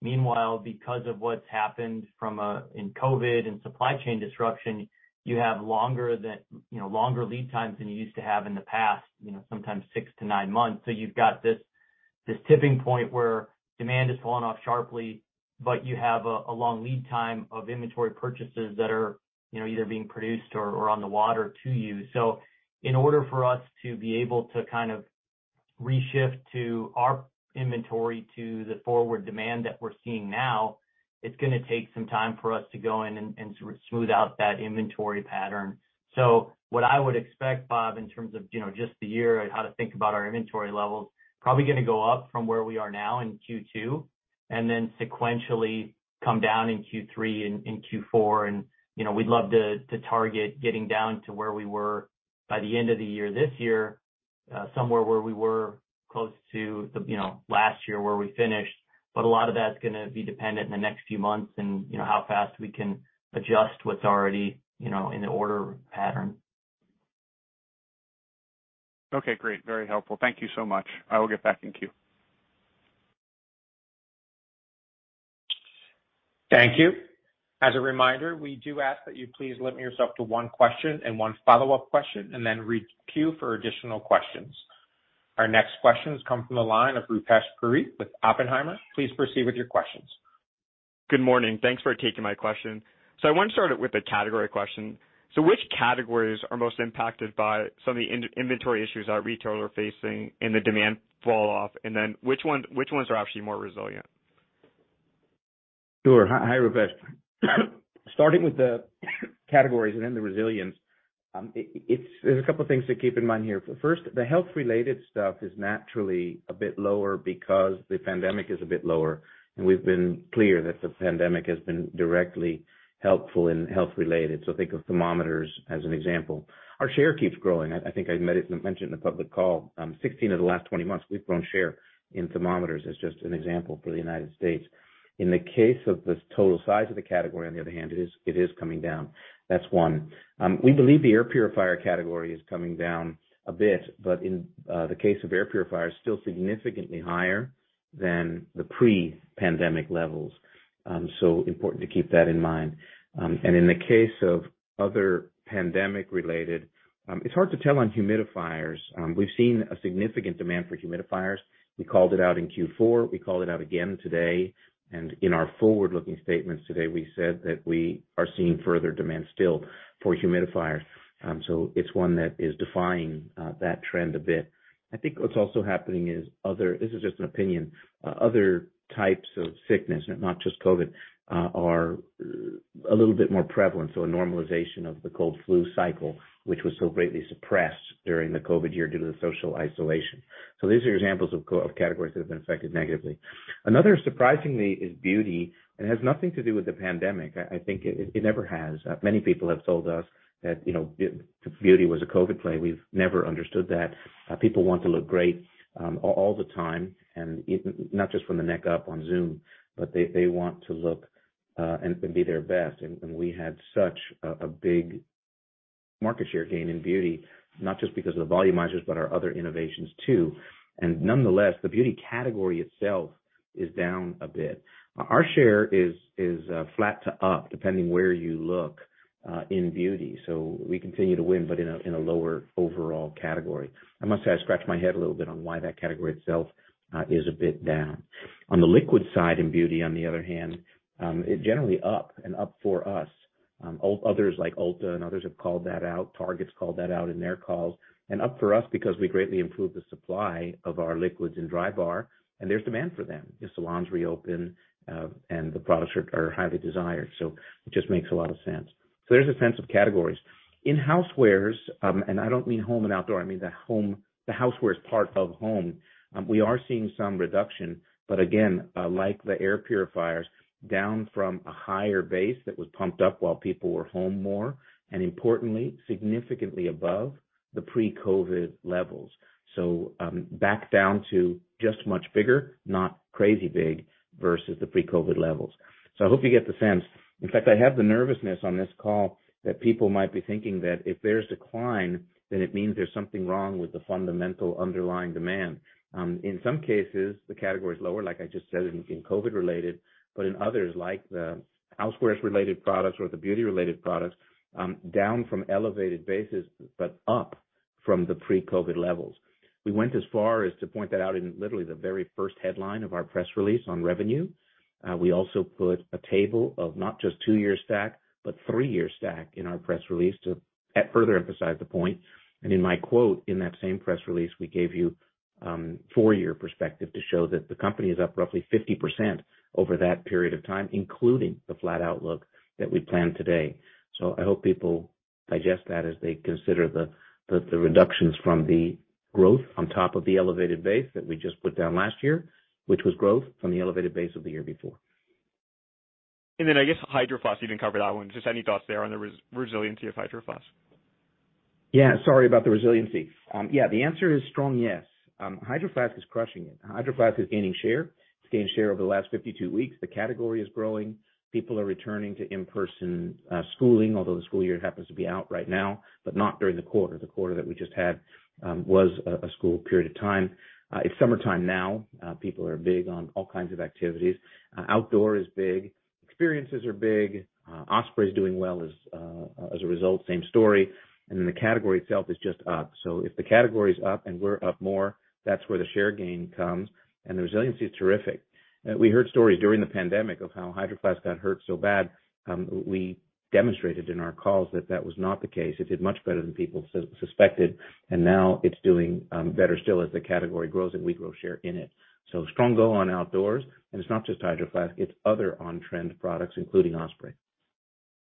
D: high. Meanwhile, because of what's happened from COVID and supply chain disruption, you have longer lead times than you used to have in the past, you know, sometimes 6-9 months. You've got this tipping point where demand has fallen off sharply, but you have a long lead time of inventory purchases that are, you know, either being produced or on the water to you. In order for us to be able to kind of re-shift to our inventory to the forward demand that we're seeing now, it's gonna take some time for us to go in and smooth out that inventory pattern. What I would expect, Bob, in terms of, you know, just the year and how to think about our inventory levels, probably gonna go up from where we are now in Q2, and then sequentially come down in Q3 and in Q4. You know, we'd love to target getting down to where we were by the end of the year this year, somewhere where we were close to the, you know, last year where we finished. A lot of that's gonna be dependent in the next few months and, you know, how fast we can adjust what's already, you know, in the order pattern.
E: Okay. Great. Very helpful. Thank you so much. I will get back in queue.
A: Thank you. As a reminder, we do ask that you please limit yourself to one question and one follow-up question, and then requeue for additional questions. Our next questions come from the line of Rupesh Parikh with Oppenheimer. Please proceed with your questions.
F: Good morning. Thanks for taking my question. I want to start with a category question. Which categories are most impacted by some of the inventory issues our retailers are facing and the demand fall off? Which ones are actually more resilient?
C: Sure. Hi, Rupesh. Starting with the categories and then the resilience, there's a couple things to keep in mind here. First, the health-related stuff is naturally a bit lower because the pandemic is a bit lower, and we've been clear that the pandemic has been directly helpful in health-related. Think of thermometers as an example. Our share keeps growing. I think I mentioned in the public call, 16 of the last 20 months, we've grown share in thermometers as just an example for the United States. In the case of the total size of the category, on the other hand, it is coming down. That's one. We believe the air purifier category is coming down a bit, but in the case of air purifiers, still significantly higher than the pre-pandemic levels. Important to keep that in mind. In the case of other pandemic related, it's hard to tell on humidifiers. We've seen a significant demand for humidifiers. We called it out in Q4, we called it out again today, and in our forward-looking statements today, we said that we are seeing further demand still for humidifiers. It's one that is defying that trend a bit. I think what's also happening is. This is just an opinion. Other types of sickness, not just COVID, are a little bit more prevalent, so a normalization of the cold flu cycle, which was so greatly suppressed during the COVID year due to the social isolation. These are examples of categories that have been affected negatively. Another, surprisingly, is beauty, and it has nothing to do with the pandemic. I think it never has. Many people have told us that, you know, beauty was a COVID play. We've never understood that. People want to look great all the time, and not just from the neck up on Zoom, but they want to look and be their best. We had such a big market share gain in beauty, not just because of the volumizers, but our other innovations too. Nonetheless, the beauty category itself is down a bit. Our share is flat to up depending where you look in beauty. We continue to win, but in a lower overall category. I must say I scratch my head a little bit on why that category itself is a bit down. On the liquid side in beauty, on the other hand, it generally up and up for us. Others like Ulta and others have called that out. Target's called that out in their calls. Up for us because we greatly improved the supply of our liquids in Drybar, and there's demand for them. The salons reopen, and the products are highly desired, so it just makes a lot of sense. There's a sense of categories. In housewares, and I don't mean home and outdoor, I mean the home, the housewares part of home, we are seeing some reduction. Again, like the air purifiers, down from a higher base that was pumped up while people were home more, and importantly, significantly above the pre-COVID levels. Back down to just much bigger, not crazy big, versus the pre-COVID levels. I hope you get the sense. In fact, I have the nervousness on this call that people might be thinking that if there's decline, then it means there's something wrong with the fundamental underlying demand. In some cases, the category is lower, like I just said, in COVID related, but in others, like the housewares related products or the beauty related products, down from elevated bases, but up from the pre-COVID levels. We went as far as to point that out in literally the very first headline of our press release on revenue. We also put a table of not just two-year stack, but three-year stack in our press release to further emphasize the point. In my quote in that same press release, we gave you, four-year perspective to show that the company is up roughly 50% over that period of time, including the flat outlook that we planned today. I hope people digest that as they consider the reductions from the growth on top of the elevated base that we just put down last year, which was growth from the elevated base of the year before.
F: I guess Hydro Flask, you didn't cover that one. Just any thoughts there on the resiliency of Hydro Flask?
C: Yeah. Sorry about the resiliency. Yeah, the answer is strong yes. Hydro Flask is crushing it. Hydro Flask is gaining share. It's gained share over the last 52 weeks. The category is growing. People are returning to in-person schooling, although the school year happens to be out right now, but not during the quarter. The quarter that we just had was a school period of time. It's summertime now. People are big on all kinds of activities. Outdoor is big. Experiences are big. Osprey is doing well as a result, same story. The category itself is just up. If the category is up and we're up more, that's where the share gain comes, and the resiliency is terrific. We heard stories during the pandemic of how Hydro Flask got hurt so bad. We demonstrated in our calls that that was not the case. It did much better than people suspected, and now it's doing better still as the category grows, and we grow share in it. Strong growth on outdoors. It's not just Hydro Flask, it's other on-trend products, including Osprey.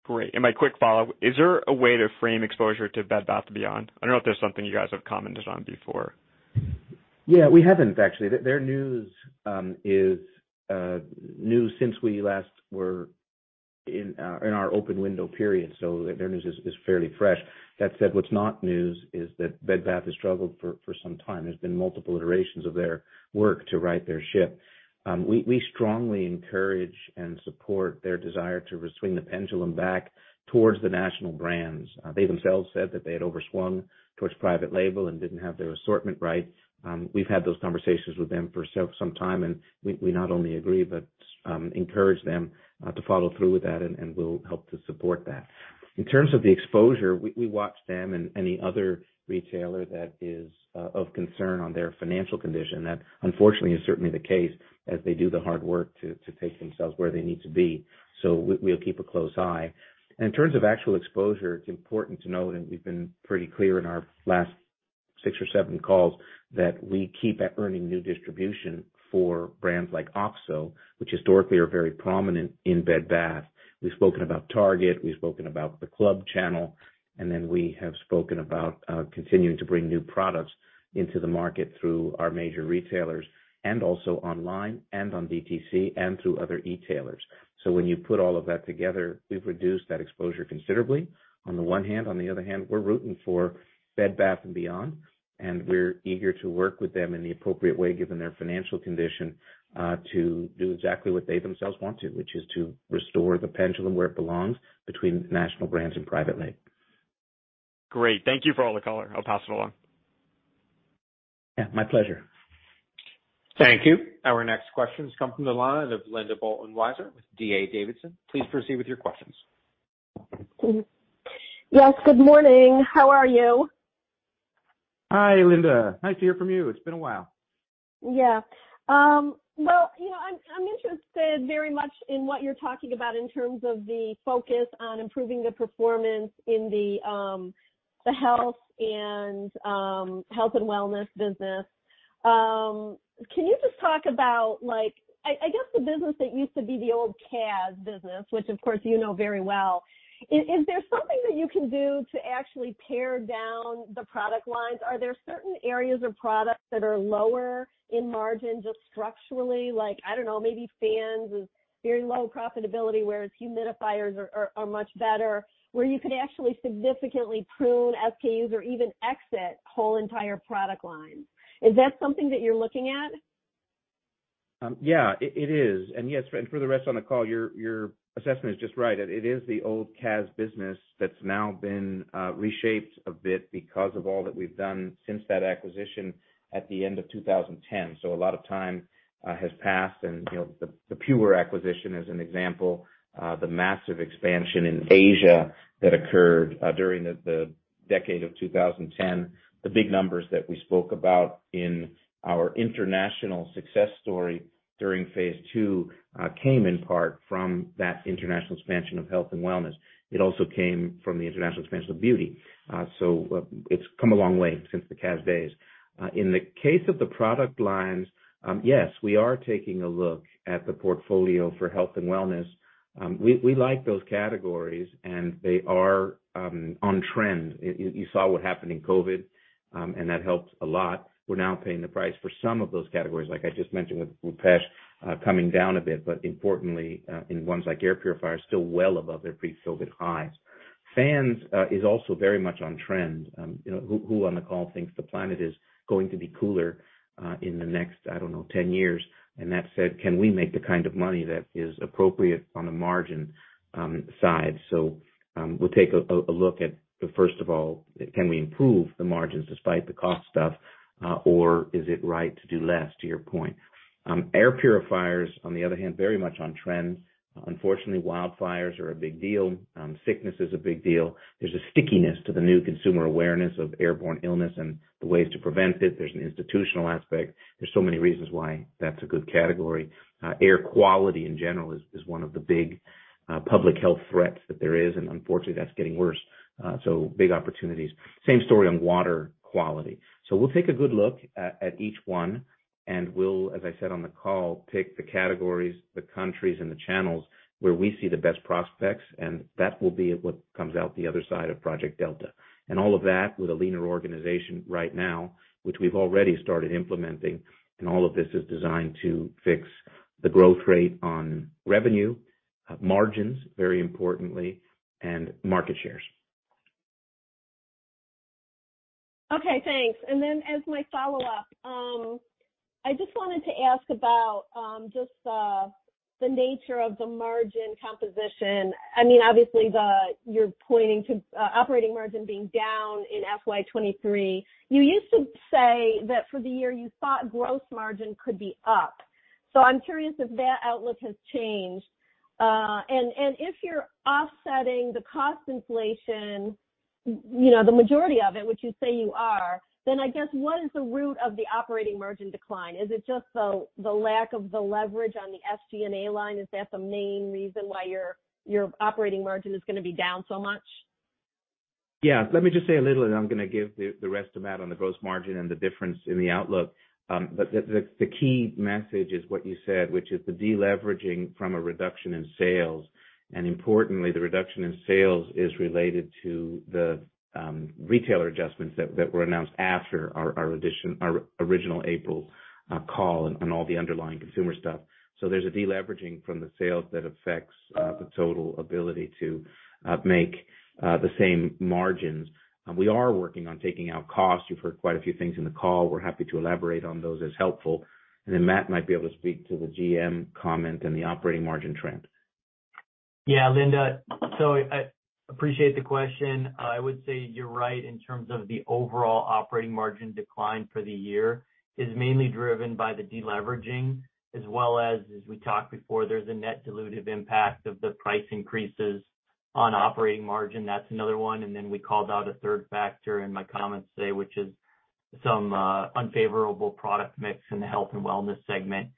F: Great. My quick follow-up, is there a way to frame exposure to Bed Bath & Beyond? I don't know if that's something you guys have commented on before.
C: Yeah, we haven't actually. Their news is new since we last were in our open window period, so their news is fairly fresh. That said, what's not news is that Bed Bath & Beyond has struggled for some time. There's been multiple iterations of their work to right their ship. We strongly encourage and support their desire to swing the pendulum back towards the national brands. They themselves said that they had overswung towards private label and didn't have their assortment right. We've had those conversations with them for some time, and we not only agree, but encourage them to follow through with that, and we'll help to support that. In terms of the exposure, we watch them and any other retailer that is of concern on their financial condition. That unfortunately is certainly the case as they do the hard work to take themselves where they need to be. We'll keep a close eye. In terms of actual exposure, it's important to note, and we've been pretty clear in our last six or seven calls, that we keep earning new distribution for brands like OXO, which historically are very prominent in Bed Bath & Beyond. We've spoken about Target, we've spoken about the club channel, and then we have spoken about continuing to bring new products into the market through our major retailers and also online and on DTC and through other e-tailers. When you put all of that together, we've reduced that exposure considerably on the one hand. On the other hand, we're rooting for Bed Bath & Beyond, and we're eager to work with them in the appropriate way, given their financial condition, to do exactly what they themselves want to, which is to restore the pendulum where it belongs between national brands and private label.
F: Great. Thank you for all the color. I'll pass it along.
C: Yeah, my pleasure.
A: Thank you. Our next question comes from the line of Linda Bolton-Weiser with D.A. Davidson. Please proceed with your questions.
G: Yes, good morning. How are you?
C: Hi, Linda. Nice to hear from you. It's been a while.
G: Yeah. Well, you know, I'm interested very much in what you're talking about in terms of the focus on improving the performance in the health and wellness business. Can you just talk about like, I guess the business that used to be the old Kaz business, which of course you know very well. Is there something that you can do to actually pare down the product lines? Are there certain areas or products that are lower in margin just structurally? Like, I don't know, maybe fans is very low profitability, whereas humidifiers are much better, where you could actually significantly prune SKUs or even exit whole entire product lines. Is that something that you're looking at?
C: Yeah, it is. Yes, for the rest on the call, your assessment is just right. It is the old Kaz business that's now been reshaped a bit because of all that we've done since that acquisition at the end of 2010. A lot of time has passed and, you know, the PUR acquisition as an example, the massive expansion in Asia that occurred during the decade of 2010. The big numbers that we spoke about in our international success story during Phase II came in part from that international expansion of health and wellness. It also came from the international expansion of beauty. It's come a long way since the Kaz days. In the case of the product lines, yes, we are taking a look at the portfolio for health and wellness. We like those categories, and they are on trend. You saw what happened in COVID, and that helped a lot. We're now paying the price for some of those categories, like I just mentioned with Rupesh, coming down a bit, but importantly, in ones like air purifiers, still well above their pre-COVID highs. Fans is also very much on trend. You know, who on the call thinks the planet is going to be cooler in the next, I don't know, 10 years? That said, can we make the kind of money that is appropriate on the margin side? We'll take a look at, first of all, can we improve the margins despite the cost stuff? Or is it right to do less, to your point? Air purifiers, on the other hand, very much on trend. Unfortunately, wildfires are a big deal. Sickness is a big deal. There's a stickiness to the new consumer awareness of airborne illness and the ways to prevent it. There's an institutional aspect. There's so many reasons why that's a good category. Air quality in general is one of the big public health threats that there is, and unfortunately, that's getting worse. Big opportunities. Same story on water quality. We'll take a good look at each one, and we'll, as I said on the call, pick the categories, the countries, and the channels where we see the best prospects, and that will be what comes out the other side of Project Delta. All of that with a leaner organization right now, which we've already started implementing, and all of this is designed to fix the growth rate on revenue, margins, very importantly, and market shares.
G: Okay, thanks. As my follow-up, I just wanted to ask about just the nature of the margin composition. I mean, obviously, you're pointing to operating margin being down in FY 2023. You used to say that for the year, you thought gross margin could be up. I'm curious if that outlook has changed. If you're offsetting the cost inflation, you know, the majority of it, which you say you are, then I guess, what is the root of the operating margin decline? Is it just the lack of the leverage on the SG&A line? Is that the main reason why your operating margin is gonna be down so much?
C: Let me just say a little, and I'm gonna give the rest to Matt on the gross margin and the difference in the outlook. The key message is what you said, which is the deleveraging from a reduction in sales. Importantly, the reduction in sales is related to the retailer adjustments that were announced after our original April call and all the underlying consumer stuff. There's a deleveraging from the sales that affects the total ability to make the same margins. We are working on taking out costs. You've heard quite a few things in the call. We're happy to elaborate on those as helpful. Then Matt might be able to speak to the GM comment and the operating margin trend.
D: Yeah, Linda. I appreciate the question. I would say you're right in terms of the overall operating margin decline for the year is mainly driven by the deleveraging, as well as we talked before, there's a net dilutive impact of the price increases on operating margin. That's another one. Then we called out a third factor in my comments today, which is some unfavorable product mix in the health and wellness segment.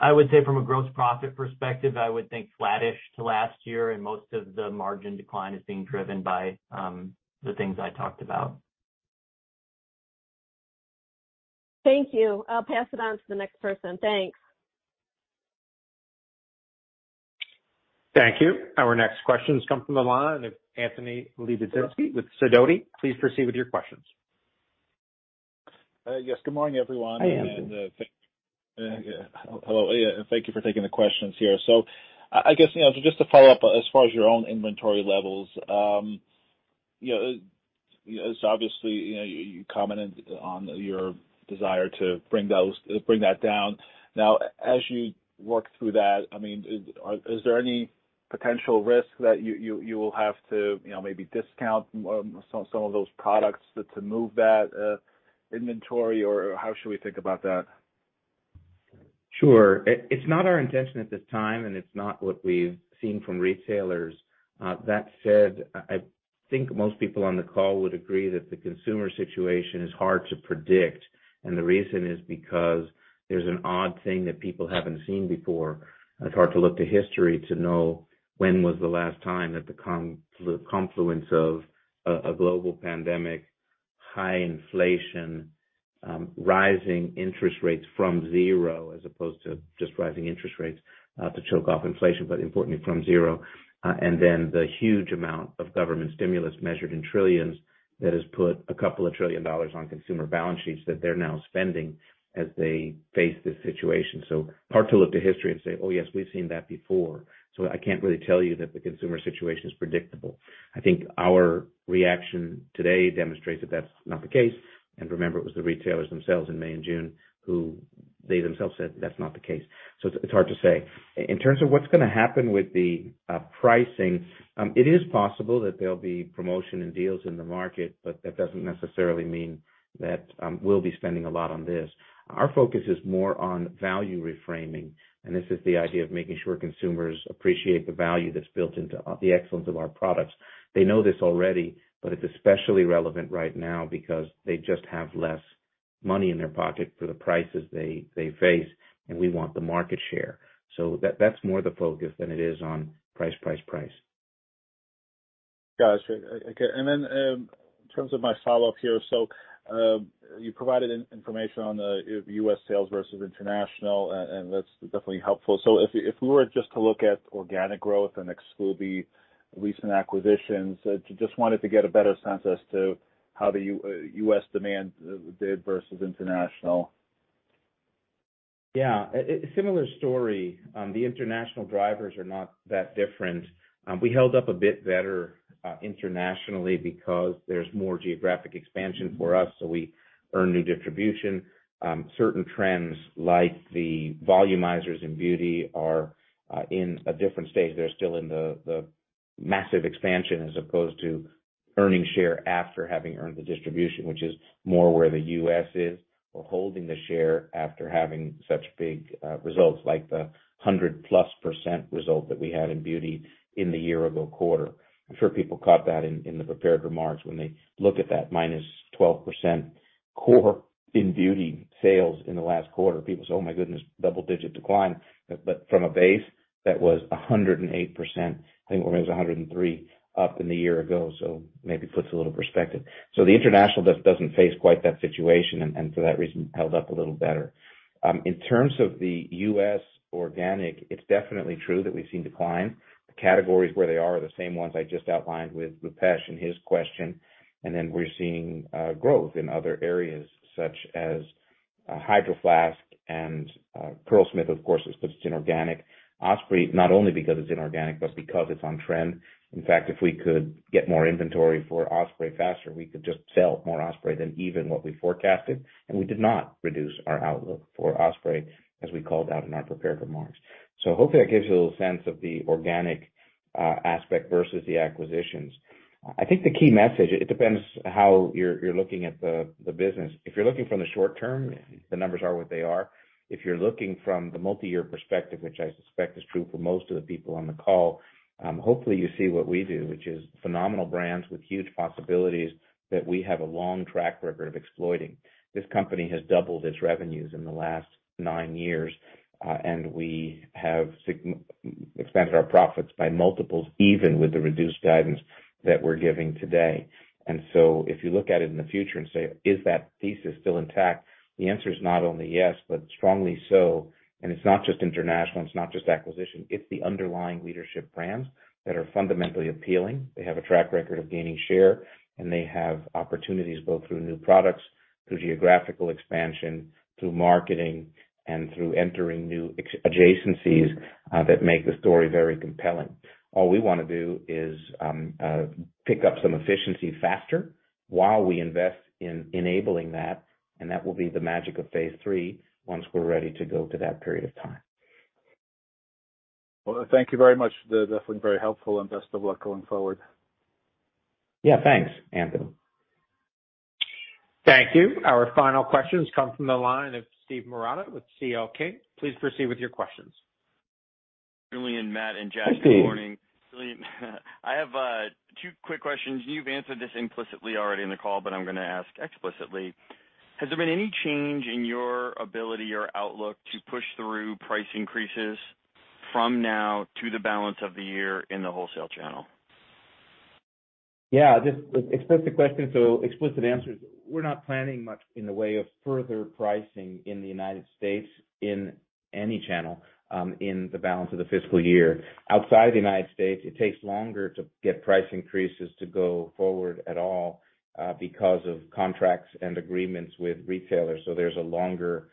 D: I would say from a gross profit perspective, I would think flattish to last year, and most of the margin decline is being driven by the things I talked about.
G: Thank you. I'll pass it on to the next person. Thanks.
A: Thank you. Our next question comes from the line of Anthony Lebiedzinski with Sidoti. Please proceed with your questions.
H: Yes, good morning, everyone.
C: Hi, Anthony.
H: Hello. Yeah, thank you for taking the questions here. I guess, you know, just to follow up, as far as your own inventory levels, you know, it's obviously, you know, you commented on your desire to bring that down. Now, as you work through that, I mean, is there any potential risk that you will have to, you know, maybe discount some of those products to move that inventory? Or how should we think about that?
C: It's not our intention at this time, and it's not what we've seen from retailers. That said, I think most people on the call would agree that the consumer situation is hard to predict. The reason is because there's an odd thing that people haven't seen before. It's hard to look to history to know when was the last time that the confluence of a global pandemic, high inflation, rising interest rates from zero, as opposed to just rising interest rates, to choke off inflation, but importantly from zero, and then the huge amount of government stimulus measured in trillions that has put $2 trillion on consumer balance sheets that they're now spending as they face this situation. Hard to look to history and say, "Oh, yes, we've seen that before." I can't really tell you that the consumer situation is predictable. I think our reaction today demonstrates that that's not the case. Remember, it was the retailers themselves in May and June who they themselves said that's not the case. It's hard to say. In terms of what's gonna happen with the pricing, it is possible that there'll be promotion and deals in the market, but that doesn't necessarily mean that we'll be spending a lot on this. Our focus is more on value reframing, and this is the idea of making sure consumers appreciate the value that's built into the excellence of our products. They know this already, but it's especially relevant right now because they just have less money in their pocket for the prices they face, and we want the market share. That's more the focus than it is on price, price.
H: Got you. Okay. In terms of my follow-up here. You provided information on the U.S. sales versus international, and that's definitely helpful. If we were just to look at organic growth and exclude the recent acquisitions, just wanted to get a better sense as to how the U.S. demand did versus international?
C: Yeah. A similar story. The international drivers are not that different. We held up a bit better internationally because there's more geographic expansion for us, so we earn new distribution. Certain trends like the volumizers in beauty are in a different stage. They're still in the massive expansion as opposed to earning share after having earned the distribution, which is more where the U.S. is, or holding the share after having such big results like the 100%+ result that we had in beauty in the year ago quarter. I'm sure people caught that in the prepared remarks when they look at that -12% core in beauty sales in the last quarter. People say, "Oh my goodness, double-digit decline." From a base that was 108%, I think it was 103% up in the year ago, so maybe puts a little perspective. The international doesn't face quite that situation and for that reason, held up a little better. In terms of the US organic, it's definitely true that we've seen decline. The categories where they are the same ones I just outlined with Rupesh in his question. Then we're seeing growth in other areas such as Hydro Flask and Curlsmith, of course, but it's inorganic. Osprey, not only because it's inorganic, but because it's on trend. In fact, if we could get more inventory for Osprey faster, we could just sell more Osprey than even what we forecasted, and we did not reduce our outlook for Osprey as we called out in our prepared remarks. Hopefully that gives you a little sense of the organic aspect versus the acquisitions. I think the key message, it depends how you're looking at the business. If you're looking from the short term, the numbers are what they are. If you're looking from the multi-year perspective, which I suspect is true for most of the people on the call, hopefully you see what we do, which is phenomenal brands with huge possibilities that we have a long track record of exploiting. This company has doubled its revenues in the last nine years, and we have expanded our profits by multiples, even with the reduced guidance that we're giving today. If you look at it in the future and say, "Is that thesis still intact?" The answer is not only yes, but strongly so. It's not just international, it's not just acquisition, it's the underlying leadership brands that are fundamentally appealing. They have a track record of gaining share, and they have opportunities both through new products, through geographical expansion, through marketing, and through entering new adjacencies, that make the story very compelling. All we wanna do is pick up some efficiency faster while we invest in enabling that, and that will be the magic of Phase III once we're ready to go to that period of time.
H: Well, thank you very much. That definitely very helpful, and best of luck going forward.
C: Yeah, thanks, Anthony.
A: Thank you. Our final questions come from the line of Steve Marotta with C.L. King. Please proceed with your questions.
I: Julien, Matt, and Jack, good morning. Julien, I have two quick questions. You've answered this implicitly already in the call, but I'm gonna ask explicitly. Has there been any change in your ability or outlook to push through price increases from now to the balance of the year in the wholesale channel?
C: Yeah, just explicit question, so explicit answer is we're not planning much in the way of further pricing in the United States in any channel, in the balance of the fiscal year. Outside the United States, it takes longer to get price increases to go forward at all, because of contracts and agreements with retailers, so there's a longer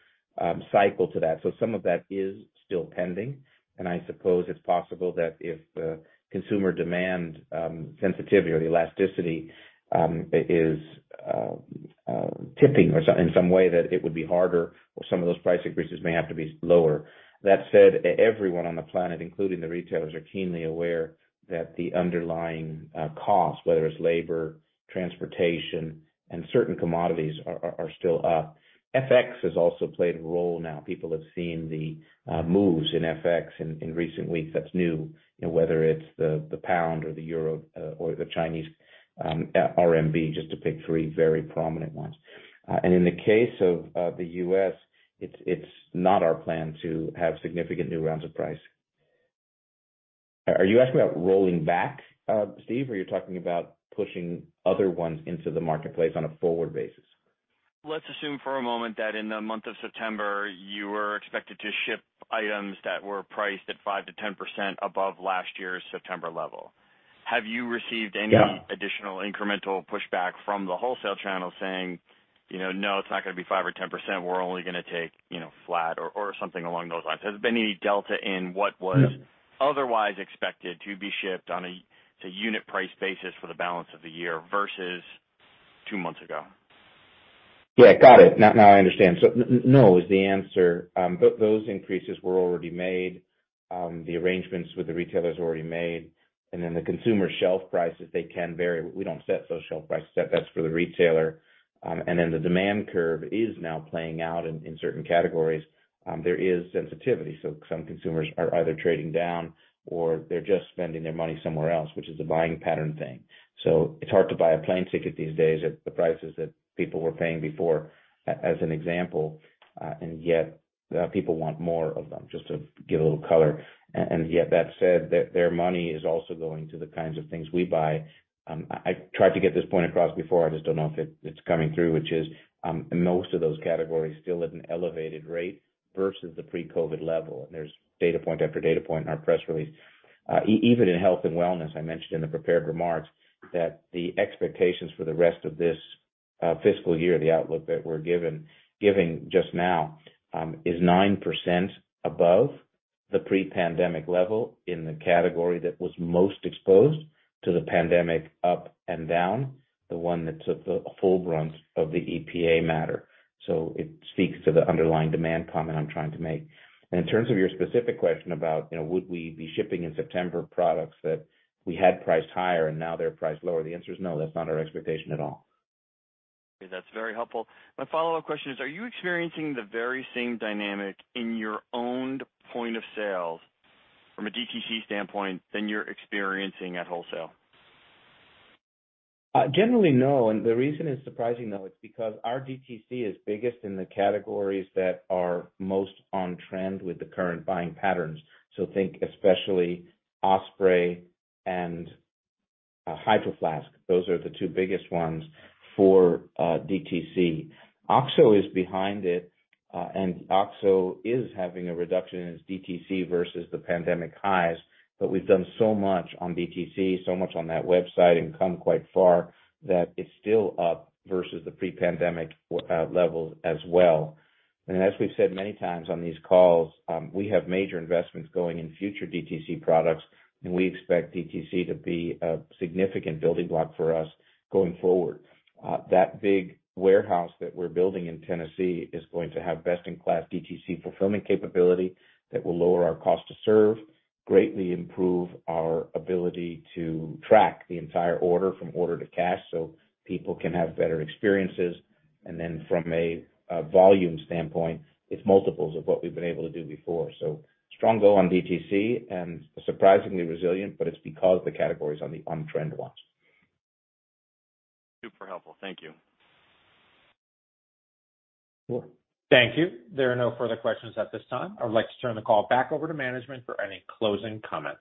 C: cycle to that. Some of that is still pending, and I suppose it's possible that if the consumer demand sensitivity or the elasticity is tipping or in some way that it would be harder or some of those price increases may have to be lower. That said, everyone on the planet, including the retailers, are keenly aware that the underlying cost, whether it's labor, transportation, and certain commodities are still up. FX has also played a role now. People have seen the moves in FX in recent weeks. That's new, you know, whether it's the pound or the euro or the Chinese RMB, just to pick three very prominent ones. In the case of the US, it's not our plan to have significant new rounds of price. Are you asking about rolling back, Steve? Or you're talking about pushing other ones into the marketplace on a forward basis?
I: Let's assume for a moment that in the month of September, you were expected to ship items that were priced at 5%-10% above last year's September level. Have you received any-
C: Yeah.
I: Additional incremental pushback from the wholesale channel saying, you know, "No, it's not gonna be 5% or 10%, we're only gonna take, you know, flat," or something along those lines? Has there been any delta in what was-
C: Yeah.
I: Otherwise expected to be shipped on a unit price basis for the balance of the year versus two months ago?
C: Yeah, got it. Now I understand. No is the answer. Those increases were already made. The arrangements with the retailers were already made. Then the consumer shelf prices, they can vary. We don't set those shelf prices. That's for the retailer. Then the demand curve is now playing out in certain categories. There is sensitivity, so some consumers are either trading down or they're just spending their money somewhere else, which is a buying pattern thing. It's hard to buy a plane ticket these days at the prices that people were paying before, as an example, and yet people want more of them, just to give a little color. Yet that said, their money is also going to the kinds of things we buy. I tried to get this point across before, I just don't know if it's coming through, which is, most of those categories still at an elevated rate versus the pre-COVID level. There's data point after data point in our press release. Even in health and wellness, I mentioned in the prepared remarks that the expectations for the rest of this fiscal year, the outlook that we're giving just now, is 9% above the pre-pandemic level in the category that was most exposed to the pandemic up and down, the one that took the full brunt of the EPA matter. It speaks to the underlying demand comment I'm trying to make. In terms of your specific question about, you know, would we be shipping in September products that we had priced higher and now they're priced lower, the answer is no, that's not our expectation at all.
I: That's very helpful. My follow-up question is, are you experiencing the very same dynamic in your own point of sales from a DTC standpoint than you're experiencing at wholesale?
C: Generally, no, and the reason is surprising, though. It's because our DTC is biggest in the categories that are most on trend with the current buying patterns. Think especially Osprey and Hydro Flask. Those are the two biggest ones for DTC. OXO is behind it, and OXO is having a reduction in its DTC versus the pandemic highs, but we've done so much on DTC, so much on that website and come quite far, that it's still up versus the pre-pandemic levels as well. As we've said many times on these calls, we have major investments going in future DTC products, and we expect DTC to be a significant building block for us going forward. That big warehouse that we're building in Tennessee is going to have best-in-class DTC fulfillment capability that will lower our cost to serve, greatly improve our ability to track the entire order from order to cash so people can have better experiences. Then from a volume standpoint, it's multiples of what we've been able to do before. Strong growth on DTC and surprisingly resilient, but it's because the category's on-trend watch.
I: Super helpful. Thank you.
C: Sure.
A: Thank you. There are no further questions at this time. I would like to turn the call back over to management for any closing comments.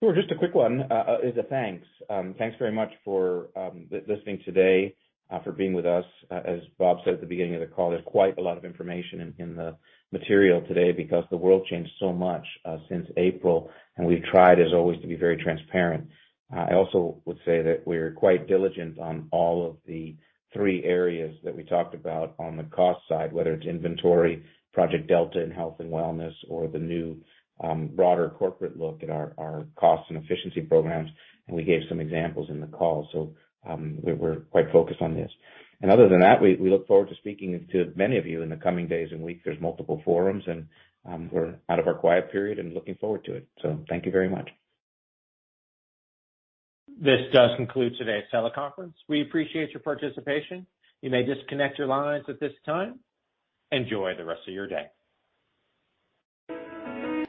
C: Sure. Just a quick one. Thanks very much for listening today, for being with us. As Bob said at the beginning of the call, there's quite a lot of information in the material today because the world changed so much since April, and we've tried, as always, to be very transparent. I also would say that we're quite diligent on all of the three areas that we talked about on the cost side, whether it's inventory, Project Delta in health and wellness or the new, broader corporate look at our cost and efficiency programs, and we gave some examples in the call. We're quite focused on this. Other than that, we look forward to speaking to many of you in the coming days and weeks. There's multiple forums, and we're out of our quiet period and looking forward to it. Thank you very much.
A: This does conclude today's teleconference. We appreciate your participation. You may disconnect your lines at this time. Enjoy the rest of your day.